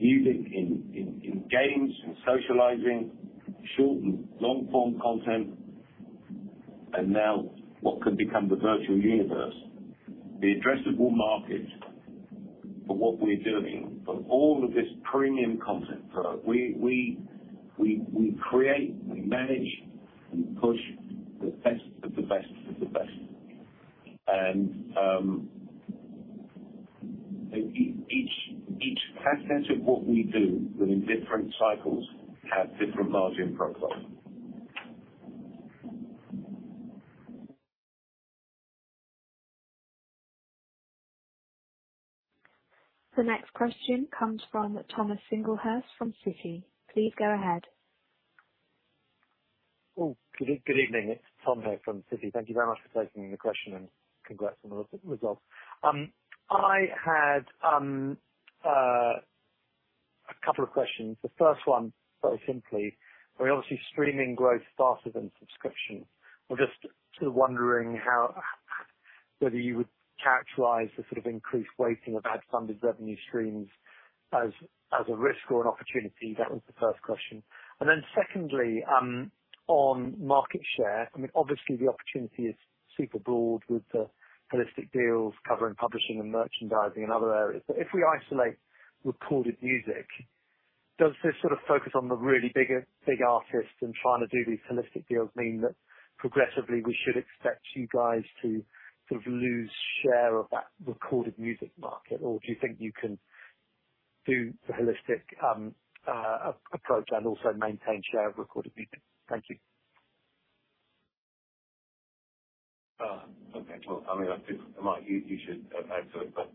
Music in games, in socializing, short and long-form content, and now what could become the virtual universe. The addressable market for what we are doing for all of this premium content we create, we manage, we push the best of the best of the best. Each facet of what we do within different cycles have different margin profiles. The next question comes from Thomas Singlehurst from Citi. Please go ahead. Oh, good evening. It's Tom here from Citi. Thank you very much for taking the question and congrats on the results. I had a couple of questions. The first one, very simply, very obviously streaming growth started in subscription. We're just sort of wondering whether you would characterize the sort of increased weighting of ad-funded revenue streams as a risk or an opportunity. That was the first question. Then secondly, on market share, I mean, obviously the opportunity is super broad with the holistic deals covering publishing and merchandising and other areas. If we isolate recorded music, does this sort of focus on the really big artists and trying to do these holistic deals mean that progressively we should expect you guys to sort of lose share of that recorded music market? Do you think you can do the holistic approach and also maintain share of recorded music? Thank you. Okay. Well, I mean, I think, Mike, you should answer it, but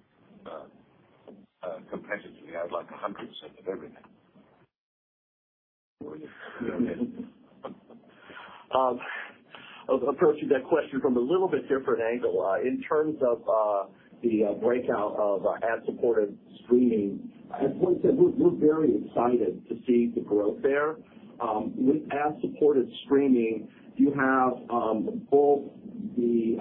competitively I would like 100% of everything. Approaching that question from a little bit different angle. In terms of the breakout of ad-supported streaming, as Wayne said, we're very excited to see the growth there. With ad-supported streaming you have both the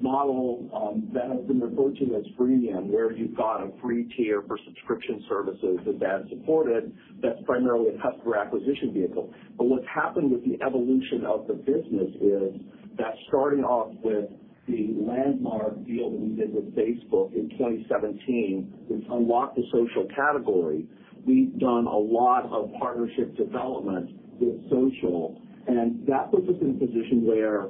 model that has been referred to as freemium, where you've got a free tier for subscription services with ad supported, that's primarily a customer acquisition vehicle. What's happened with the evolution of the business is that starting off with the landmark deal that we did with Facebook in 2017, which unlocked the social category, we've done a lot of partnership development with social, and that puts us in a position where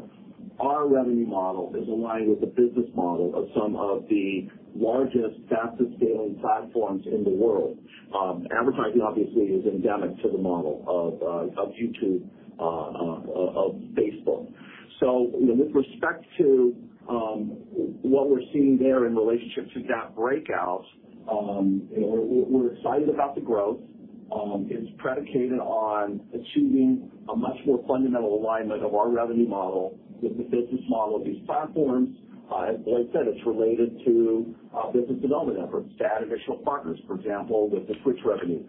our revenue model is aligned with the business model of some of the largest, fastest scaling platforms in the world. Advertising obviously is endemic to the model of YouTube, of Facebook. With respect to what we're seeing there in relationship to GAAP breakouts, we're excited about the growth. It's predicated on achieving a much more fundamental alignment of our revenue model with the business model of these platforms. As I said, it's related to business development efforts to add additional partners, for example, with the Twitch revenue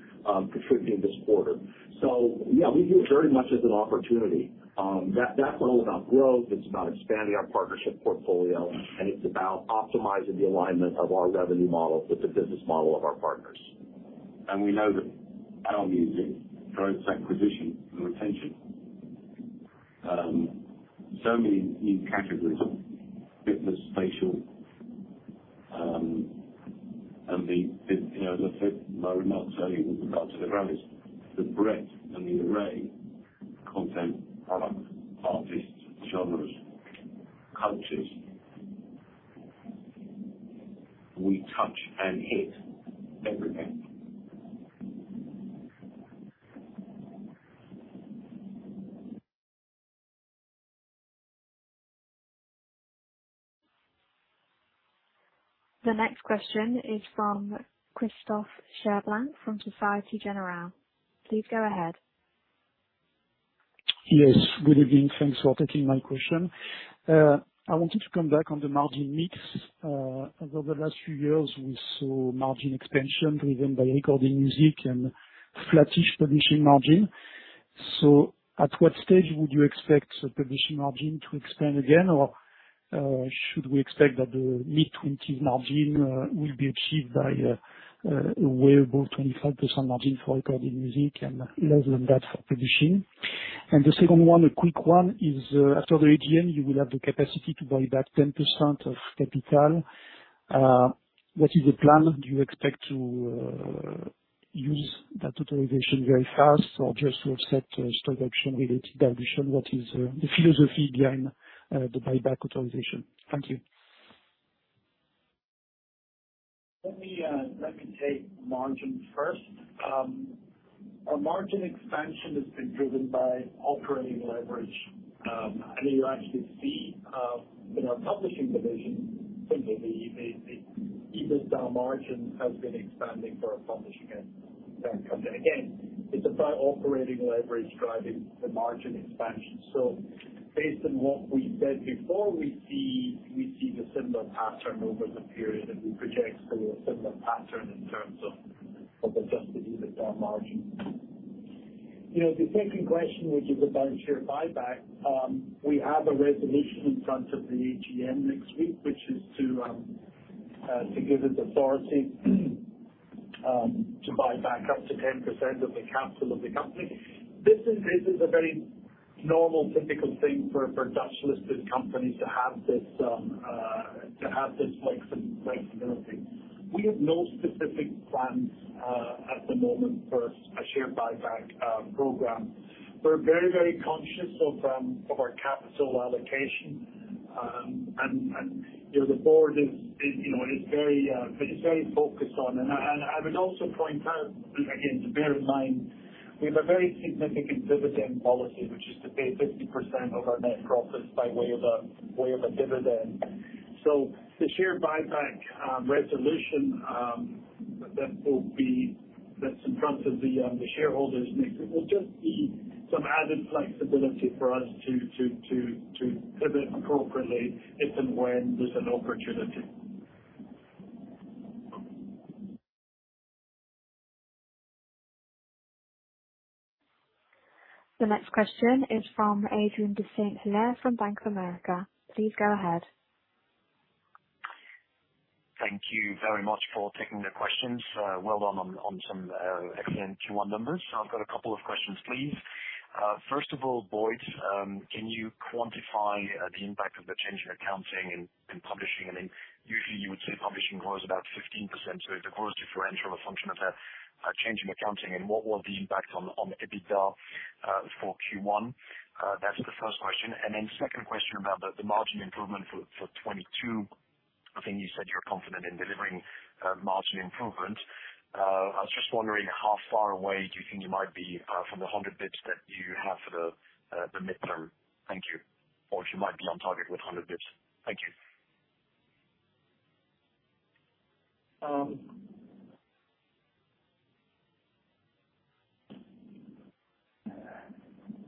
contributing this quarter. Yeah, we view it very much as an opportunity. That's all about growth, it's about expanding our partnership portfolio, and it's about optimizing the alignment of our revenue model with the business model of our partners. We know that our music drives acquisition and retention. So many new categories, fitness, spatial, and the, you know, the fifth I would not say with regard to the brands, the breadth and the array of content, product, artists, genres, cultures. We touch and hit everything. The next question is from Christophe Cherblanc from Société Générale. Please go ahead. Yes. Good evening. Thanks for taking my question. I wanted to come back on the margin mix. Over the last few years, we saw margin expansion driven by recorded music and flattish publishing margin. At what stage would you expect the publishing margin to expand again? Should we expect that the mid-20s margin will be achieved by a workable 25% margin for recorded music and less than that for publishing? The second one, a quick one, is, after the AGM, you will have the capacity to buy back 10% of capital. What is the plan? Do you expect to use that authorization very fast or just to offset stock option-related dilution? What is the philosophy behind the buyback authorization? Thank you. Let me take margin first. Our margin expansion has been driven by operating leverage. You actually see in our publishing division, simply the EBITDA margin has been expanding for a publishing company. Again, it's about operating leverage driving the margin expansion. Based on what we said before, we see the similar pattern over the period, and we project a similar pattern in terms of adjusted EBITDA margin. You know, the second question, which is about share buyback, we have a resolution in front of the AGM next week, which is to give us authority to buy back up to 10% of the capital of the company. This is a very normal, typical thing for Dutch-listed companies to have this flexibility. We have no specific plans at the moment for a share buyback program. We're very conscious of our capital allocation. You know, the board is very focused on. I would also point out, again, to bear in mind, we have a very significant dividend policy, which is to pay 50% of our net profits by way of a dividend. The share buyback resolution that's in front of the shareholders next week will just be some added flexibility for us to pivot appropriately if and when there's an opportunity. The next question is from Adrien de Saint Hilaire from Bank of America. Please go ahead. Thank you very much for taking the questions. Well done on some excellent Q1 numbers. I've got a couple of questions, please. First of all, Boyd, can you quantify the impact of the change in accounting in publishing? I mean, usually you would say publishing grows about 15%. The growth differential, a function of that change in accounting, and what was the impact on EBITDA for Q1? That's the first question. Then second question about the margin improvement for 2022. I think you said you're confident in delivering margin improvement. I was just wondering how far away do you think you might be from the 100 basis points that you have for the midterm? Thank you. Or if you might be on target with 100 basis points. Thank you.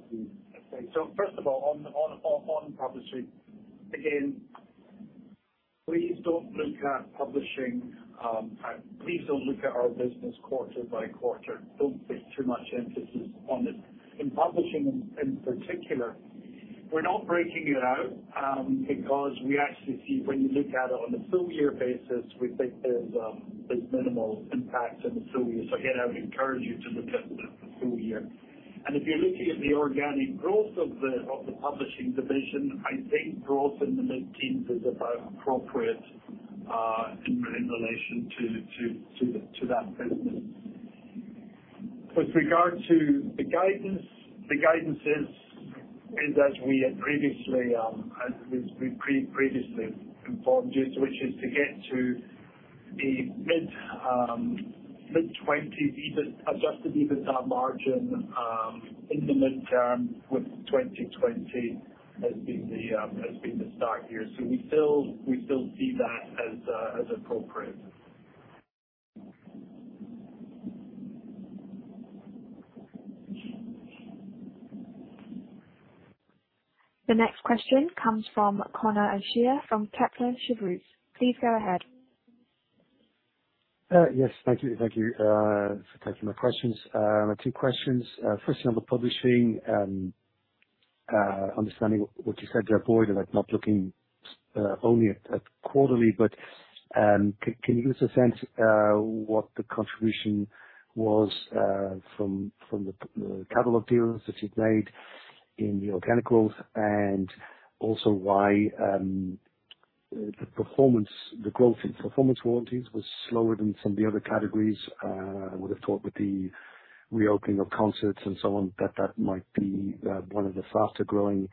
Okay. First of all, on publishing, again, please don't look at publishing. Please don't look at our business quarter by quarter. Don't put too much emphasis on it. In publishing in particular, we're not breaking it out, because we actually see when you look at it on a full year basis, we think there's minimal impact in the full year. Again, I would encourage you to look at the full year. If you're looking at the organic growth of the publishing division, I think growth in the mid-teens% is about appropriate in relation to that business. With regard to the guidance, the guidance is as we had previously informed you, so which is to get to the mid-20 EBIT, adjusted EBITDA margin in the medium term with 2020 as being the start year. We still see that as appropriate. The next question comes from Conor O'Shea from Kepler Cheuvreux. Please go ahead. Yes. Thank you. Thank you for taking my questions. Two questions. First on the publishing. Understanding what you said there, Boyd, about not looking only at quarterly, but can you give us a sense what the contribution was from the catalog deals that you've made in the organic growth and also why the growth in performance warranties was slower than some of the other categories. I would have thought with the reopening of concerts and so on that that might be one of the faster growing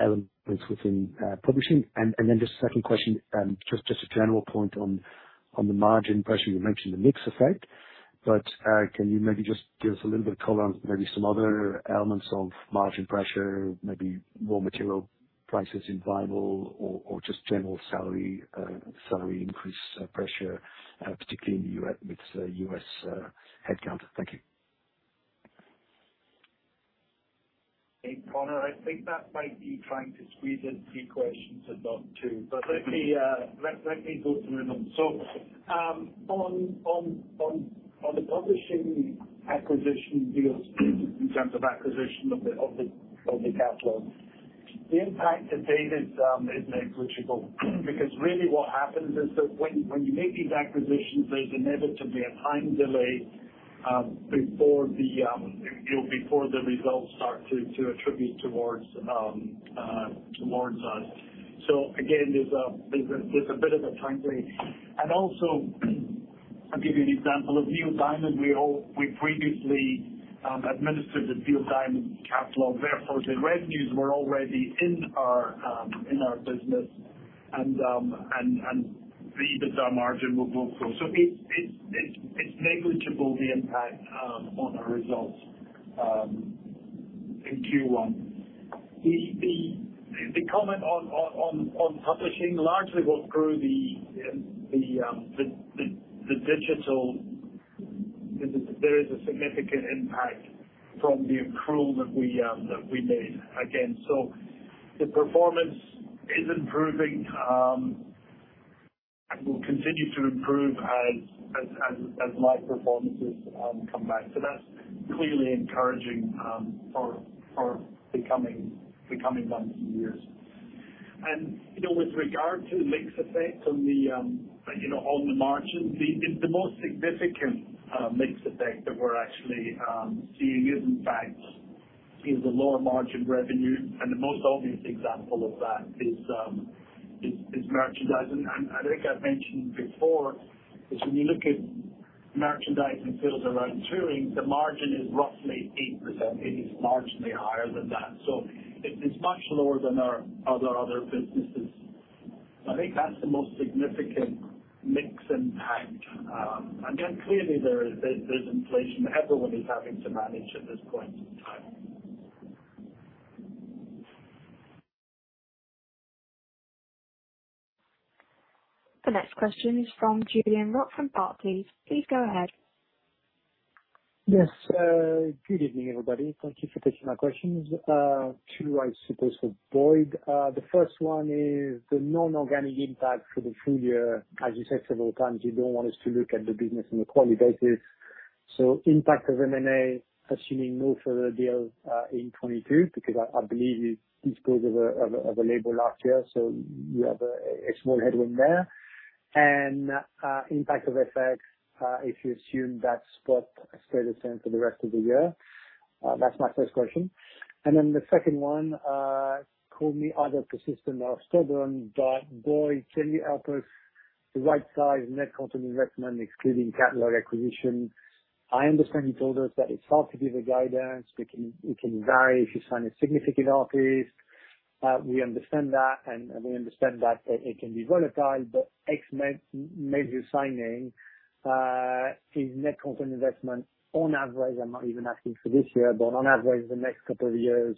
elements within publishing. Then just a second question, just a general point on the margin pressure. You mentioned the mix effect, but can you maybe just give us a little bit of color on maybe some other elements of margin pressure, maybe raw material prices in vinyl or just general salary increase pressure, particularly with the U.S. headcount. Thank you. Hey, Conor O'Shea. I think that might be trying to squeeze in three questions and not two. But let me go through them. On the publishing acquisition deals in terms of acquisition of the catalog, the impact to date is negligible. Because really what happens is that when you make these acquisitions, there's inevitably a time delay before the, you know, before the results start to attribute towards us. Again, there's a bit of a time delay. I'll give you an example. With Neil Diamond, we previously administered the Neil Diamond catalog, therefore the revenues were already in our business and the EBITDA margin were both so. It's negligible, the impact on our results in Q1. The comment on publishing, largely what grew the digital is that there is a significant impact from the accrual that we made again. The performance is improving and will continue to improve as live performances come back. That's clearly encouraging for the coming months and years. You know, with regard to mix effect on the margin, the most significant mix effect that we're actually seeing is in fact the lower margin revenue, and the most obvious example of that is merchandising. I think I've mentioned before is when you look at merchandise in fields around touring, the margin is roughly 8%. It is marginally higher than that. It's much lower than our other businesses. I think that's the most significant mix impact. Again, clearly there's inflation everyone is having to manage at this point in time. The next question is from Julien Roch from Barclays. Please go ahead. Yes. Good evening, everybody. Thank you for taking my questions. two, I suppose, for Boyd. The first one is the non-organic impact for the full year. As you said several times, you don't want us to look at the business on a quarterly basis. Impact of M&A, assuming no further deals, in 2022 because I believe you disposed of a label last year, so you have a small headwind there. Impact of FX, if you assume that spot stays the same for the rest of the year. That's my first question. Then the second one, call me either persistent or stubborn, but Boyd, can you help us the right size net content investment excluding catalog acquisition? I understand you told us that it's hard to give a guidance. It can vary if you sign a significant artist. We understand that, and we understand that it can be volatile. A major signing is net content investment on average. I'm not even asking for this year, but on average the next couple of years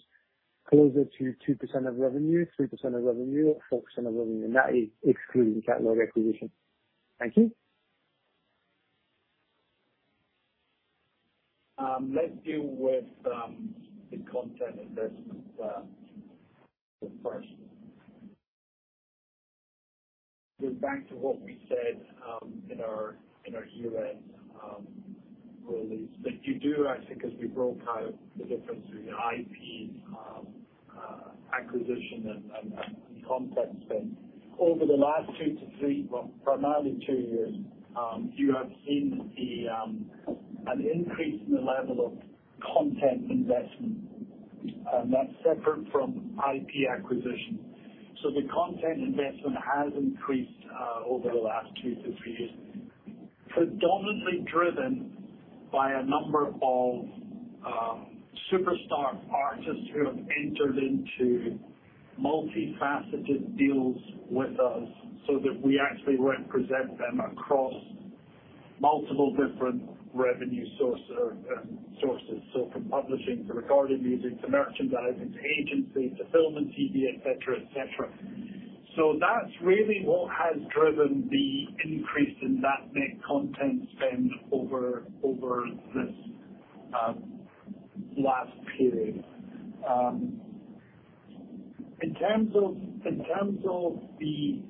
closer to 2% of revenue, 3% of revenue, 4% of revenue? That is excluding catalog acquisition. Thank you. Let's deal with the content investment first. It's back to what we said in our earnings release. You do. I think as we broke out the difference between IP acquisition and content spend. Over the last two-three, well, primarily two years, you have seen an increase in the level of content investment, and that's separate from IP acquisition. The content investment has increased over the last two-three years. Predominantly driven by a number of superstar artists who have entered into multifaceted deals with us so that we actually represent them across multiple different revenue sources. From publishing to recorded music to merchandising to agency to film and TV, et cetera. That's really what has driven the increase in that net content spend over this last period. In terms of the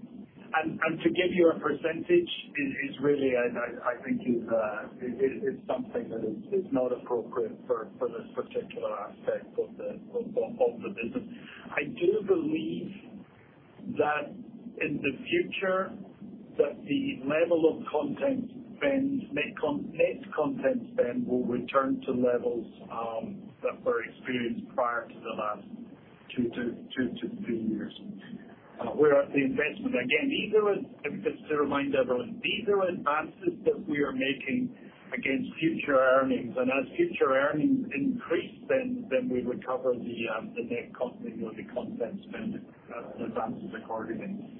and to give you a percentage is really I think is something that is not appropriate for this particular aspect of the business. I do believe that in the future that the level of content spend net content spend will return to levels that were experienced prior to the last two to three years. Where the investment. Again, just to remind everyone, these are advances that we are making against future earnings. As future earnings increase, then we recover the net content or the content spend advances accordingly.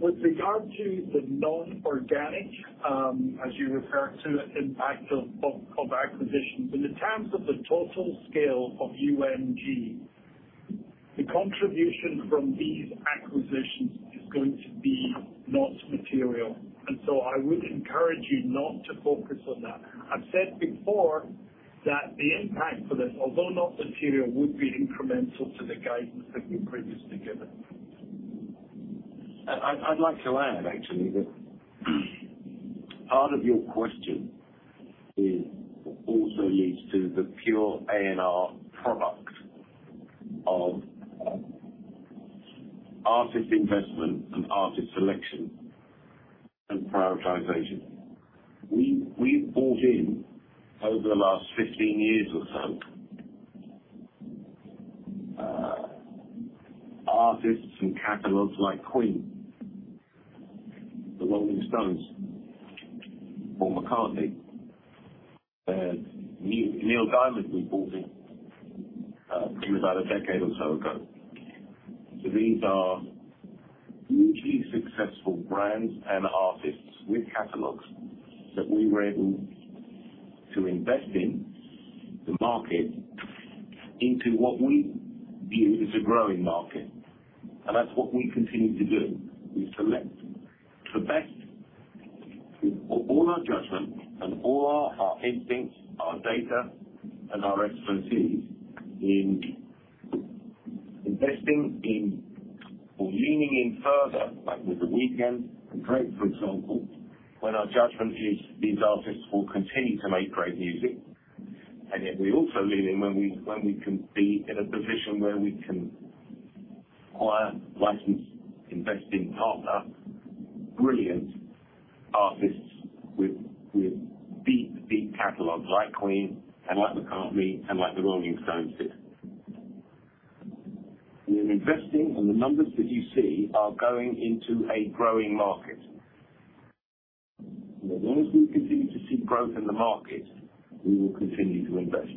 With regard to the non-organic, as you refer to, impact of acquisitions. In terms of the total scale of UMG, the contribution from these acquisitions is going to be not material. I would encourage you not to focus on that. I've said before that the impact for this, although not material, would be incremental to the guidance that we've previously given. I'd like to add actually that part of your question also leads to the pure A&R product of artist investment and artist selection and prioritization. We've brought in over the last 15 years or so artists and catalogs like Queen, The Rolling Stones or McCartney. Neil Diamond we brought in about a decade or so ago. These are hugely successful brands and artists with catalogs that we were able to invest in the market into what we view as a growing market. That's what we continue to do. We select the best of all our judgment and all our instincts, our data, and our expertise in investing in or leaning in further, like with The Weeknd and Drake, for example, when our judgment is these artists will continue to make great music. Yet we also lean in when we can be in a position where we can acquire, license, invest in partner brilliant artists with deep catalogs like Queen and like McCartney and like The Rolling Stones did. We're investing, and the numbers that you see are going into a growing market. As long as we continue to see growth in the market, we will continue to invest.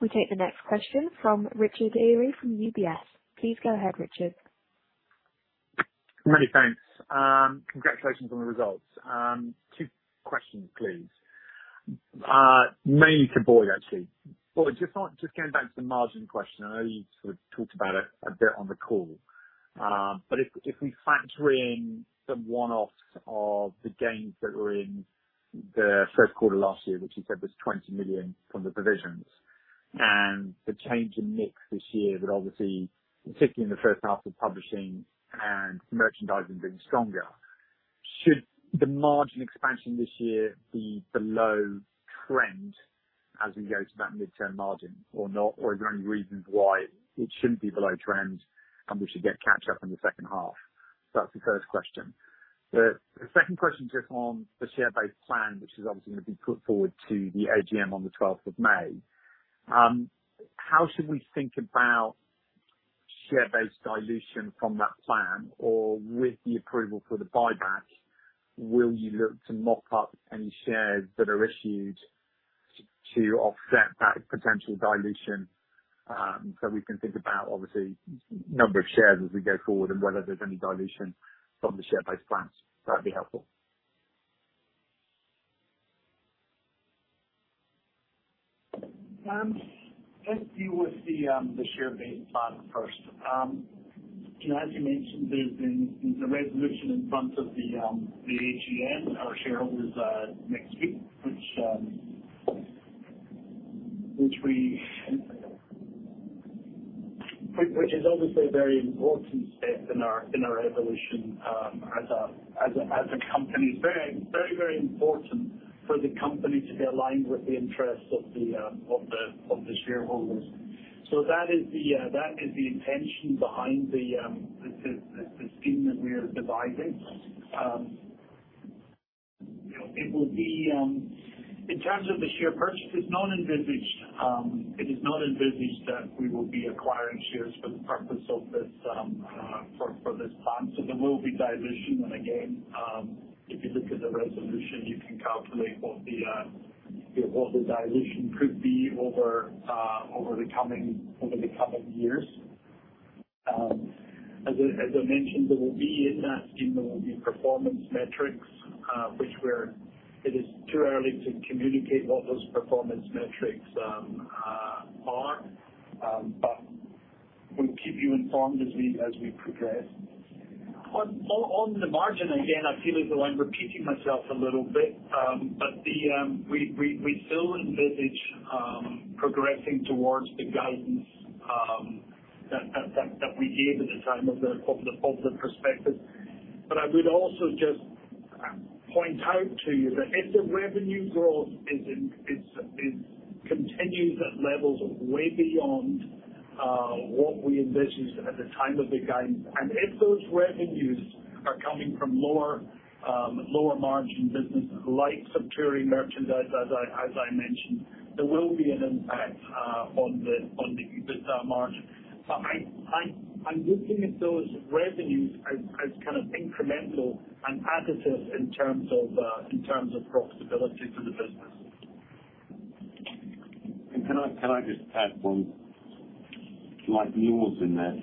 We take the next question from Richard Eary from UBS. Please go ahead, Richard. Many thanks. Congratulations on the results. Two questions, please. Mainly to Boyd, actually. Boyd, just going back to the margin question. I know you sort of talked about it a bit on the call. But if we factor in the one-offs of the gains that were in the first quarter last year, which you said was 20 million from the provisions, and the change in mix this year that obviously, particularly in the first half of publishing and merchandising being stronger, should the margin expansion this year be below trend as we go to that mid-term margin or not? Or are there any reasons why it shouldn't be below trend and we should get catch-up in the second half? That's the first question. The second question is on the share-based plan, which is obviously going to be put forward to the AGM on the twelfth of May. How should we think about share-based dilution from that plan? Or with the approval for the buyback, will you look to mop up any shares that are issued to offset that potential dilution? We can think about obviously number of shares as we go forward and whether there's any dilution from the share-based plans. That'd be helpful. Let's deal with the share-based plan first. You know, as you mentioned, there's been the resolution in front of the AGM, our shareholders next week, which is obviously a very important step in our evolution as a company. Very important for the company to be aligned with the interests of the shareholders. That is the intention behind the scheme that we are devising. You know, it will be. In terms of the share purchase, it's not envisaged that we will be acquiring shares for the purpose of this plan. There will be dilution. Again, if you look at the resolution, you can calculate what the dilution could be over the coming years. As I mentioned, there will be in that scheme performance metrics which it is too early to communicate what those performance metrics are. But we'll keep you informed as we progress. On the margin, again, I feel as though I'm repeating myself a little bit. But we still envisage progressing towards the guidance that we gave at the time of the prospectus. I would also just point out to you that if the revenue growth is continuing at levels way beyond what we envisaged at the time of the guidance, and if those revenues are coming from lower margin businesses like subsidiary merchandise, as I mentioned, there will be an impact on the EBITDA margin. I'm looking at those revenues as kind of incremental and additive in terms of profitability to the business. Can I just add one like yours in there?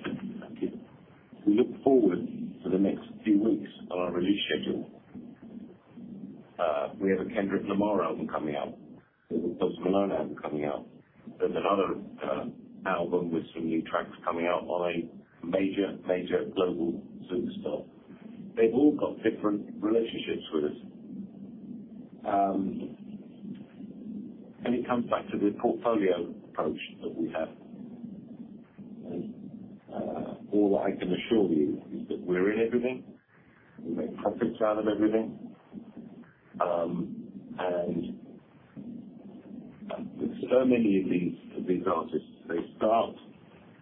We look forward to the next few weeks of our release schedule. We have a Kendrick Lamar album coming out. There's a Post Malone album coming out. There's another album with some new tracks coming out by a major global superstar. They've all got different relationships with us. It comes back to the portfolio approach that we have. All I can assure you is that we're in everything. We make profits out of everything. With so many of these artists, they start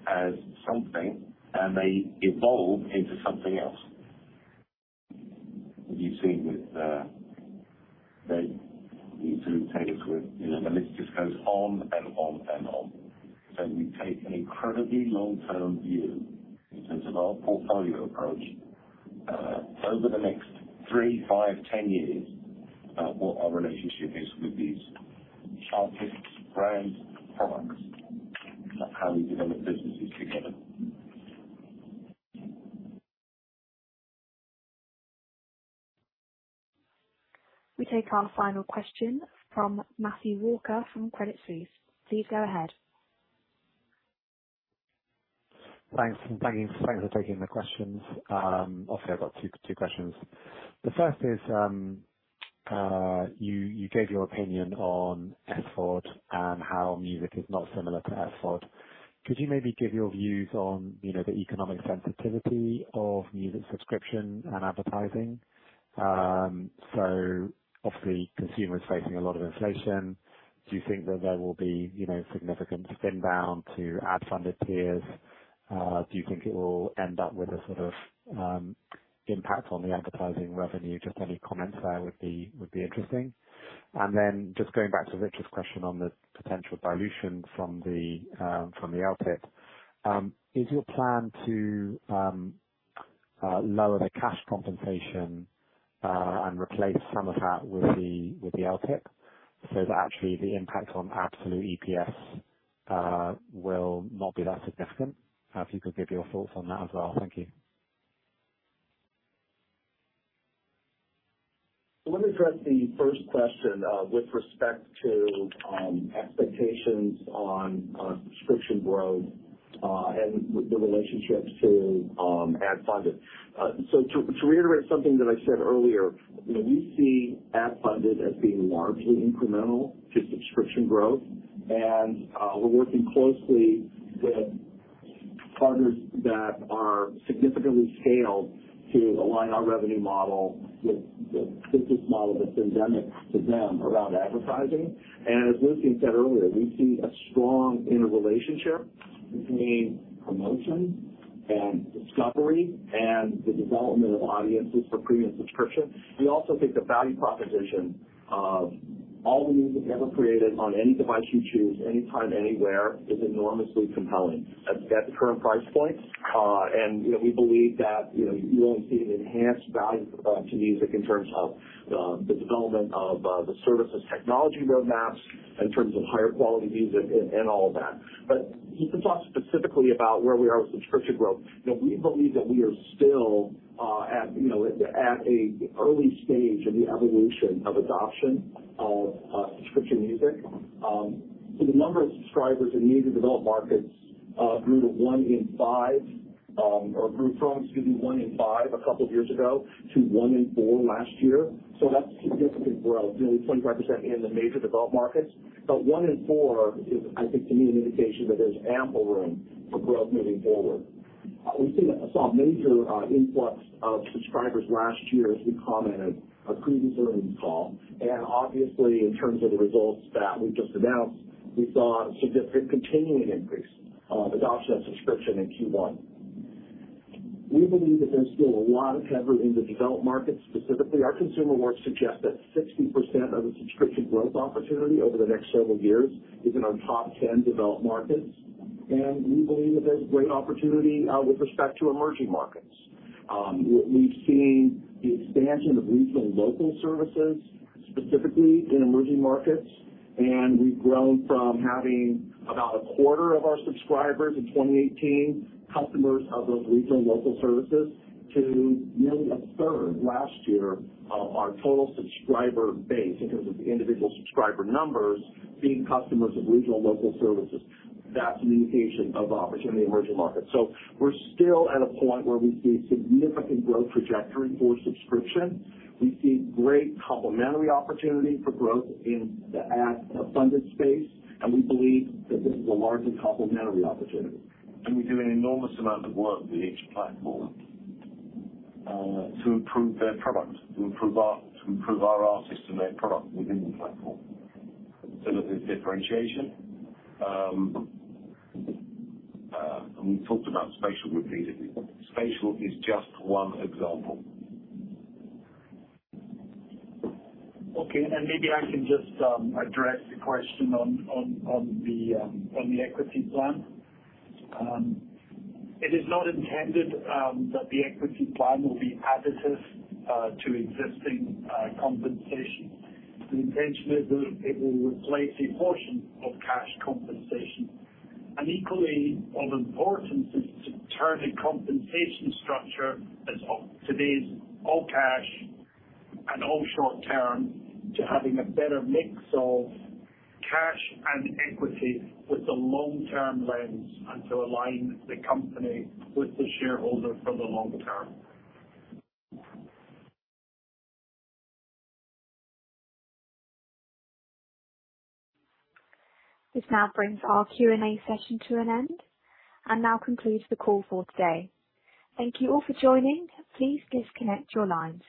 as something, and they evolve into something else. You've seen with the YouTubers. You know, the list just goes on and on and on. We take an incredibly long-term view in terms of our portfolio approach, over the next three, five, 10 years, what our relationship is with these artists, brands, products, and how we develop businesses together. We take our final question from Matthew Walker from Credit Suisse. Please go ahead. Thanks. Thanks for taking the questions. Obviously I've got two questions. The first is, you gave your opinion on SaaS and how music is not similar to SaaS. Could you maybe give your views on, you know, the economic sensitivity of music subscription and advertising? So obviously consumers facing a lot of inflation. Do you think that there will be, you know, significant spend down to ad-funded tiers? Do you think it will end up with a sort of, impact on the advertising revenue? Just any comments there would be interesting. Then just going back to Richard's question on the potential dilution from the LTIP. Is your plan to lower the cash compensation and replace some of that with the LTIP so that actually the impact on absolute EPS will not be that significant? If you could give your thoughts on that as well. Thank you. Let me address the first question, with respect to, expectations on, subscription growth, and the relationship to, ad funded. To reiterate something that I said earlier, you know, we see ad funded as being largely incremental to subscription growth. We're working closely with partners that are significantly scaled to align our revenue model with the business model that's endemic to them around advertising. As Lucian said earlier, we see a strong interrelationship between promotion and discovery and the development of audiences for premium subscription. We also think the value proposition of all the music ever created on any device you choose anytime, anywhere, is enormously compelling at the current price points. You know, we believe that, you know, you will see an enhanced value to music in terms of the development of the services technology roadmaps, in terms of higher quality music and all of that. You can talk specifically about where we are with subscription growth. You know, we believe that we are still at a early stage in the evolution of adoption of subscription music. The number of subscribers in major developed markets grew from one in five a couple of years ago to one in four last year. That's significant growth, nearly 25% in the major developed markets. One in four is, I think, to me an indication that there's ample room for growth moving forward. We've seen a major influx of subscribers last year as we commented on a previous earnings call. Obviously in terms of the results that we just announced, we saw a significant continuing increase of adoption of subscription in Q1. We believe that there's still a lot of headroom in the developed markets specifically. Our consumer work suggests that 60% of the subscription growth opportunity over the next several years is in our top 10 developed markets. We believe that there's great opportunity with respect to emerging markets. We've seen the expansion of regional and local services, specifically in emerging markets, and we've grown from having about a quarter of our subscribers in 2018 customers of those regional and local services to nearly a third last year of our total subscriber base in terms of the individual subscriber numbers being customers of regional local services. That's an indication of opportunity in emerging markets. We're still at a point where we see significant growth trajectory for subscription. We see great complementary opportunity for growth in the ad-funded space, and we believe that this is a largely complementary opportunity. We do an enormous amount of work with each platform to improve their product, to improve our system, their product within the platform so that there's differentiation, and we talked about spatial repeatedly. Spatial is just one example. Okay. Maybe I can just address the question on the equity plan. It is not intended that the equity plan will be additive to existing compensation. The intention is that it will replace a portion of cash compensation. Equally of importance is to turn the compensation structure that's outdated all cash and all short term, to having a better mix of cash and equity with the long-term lens, and to align the company with the shareholder for the long term. This now brings our Q&A session to an end. Now concludes the call for today. Thank you all for joining. Please disconnect your lines.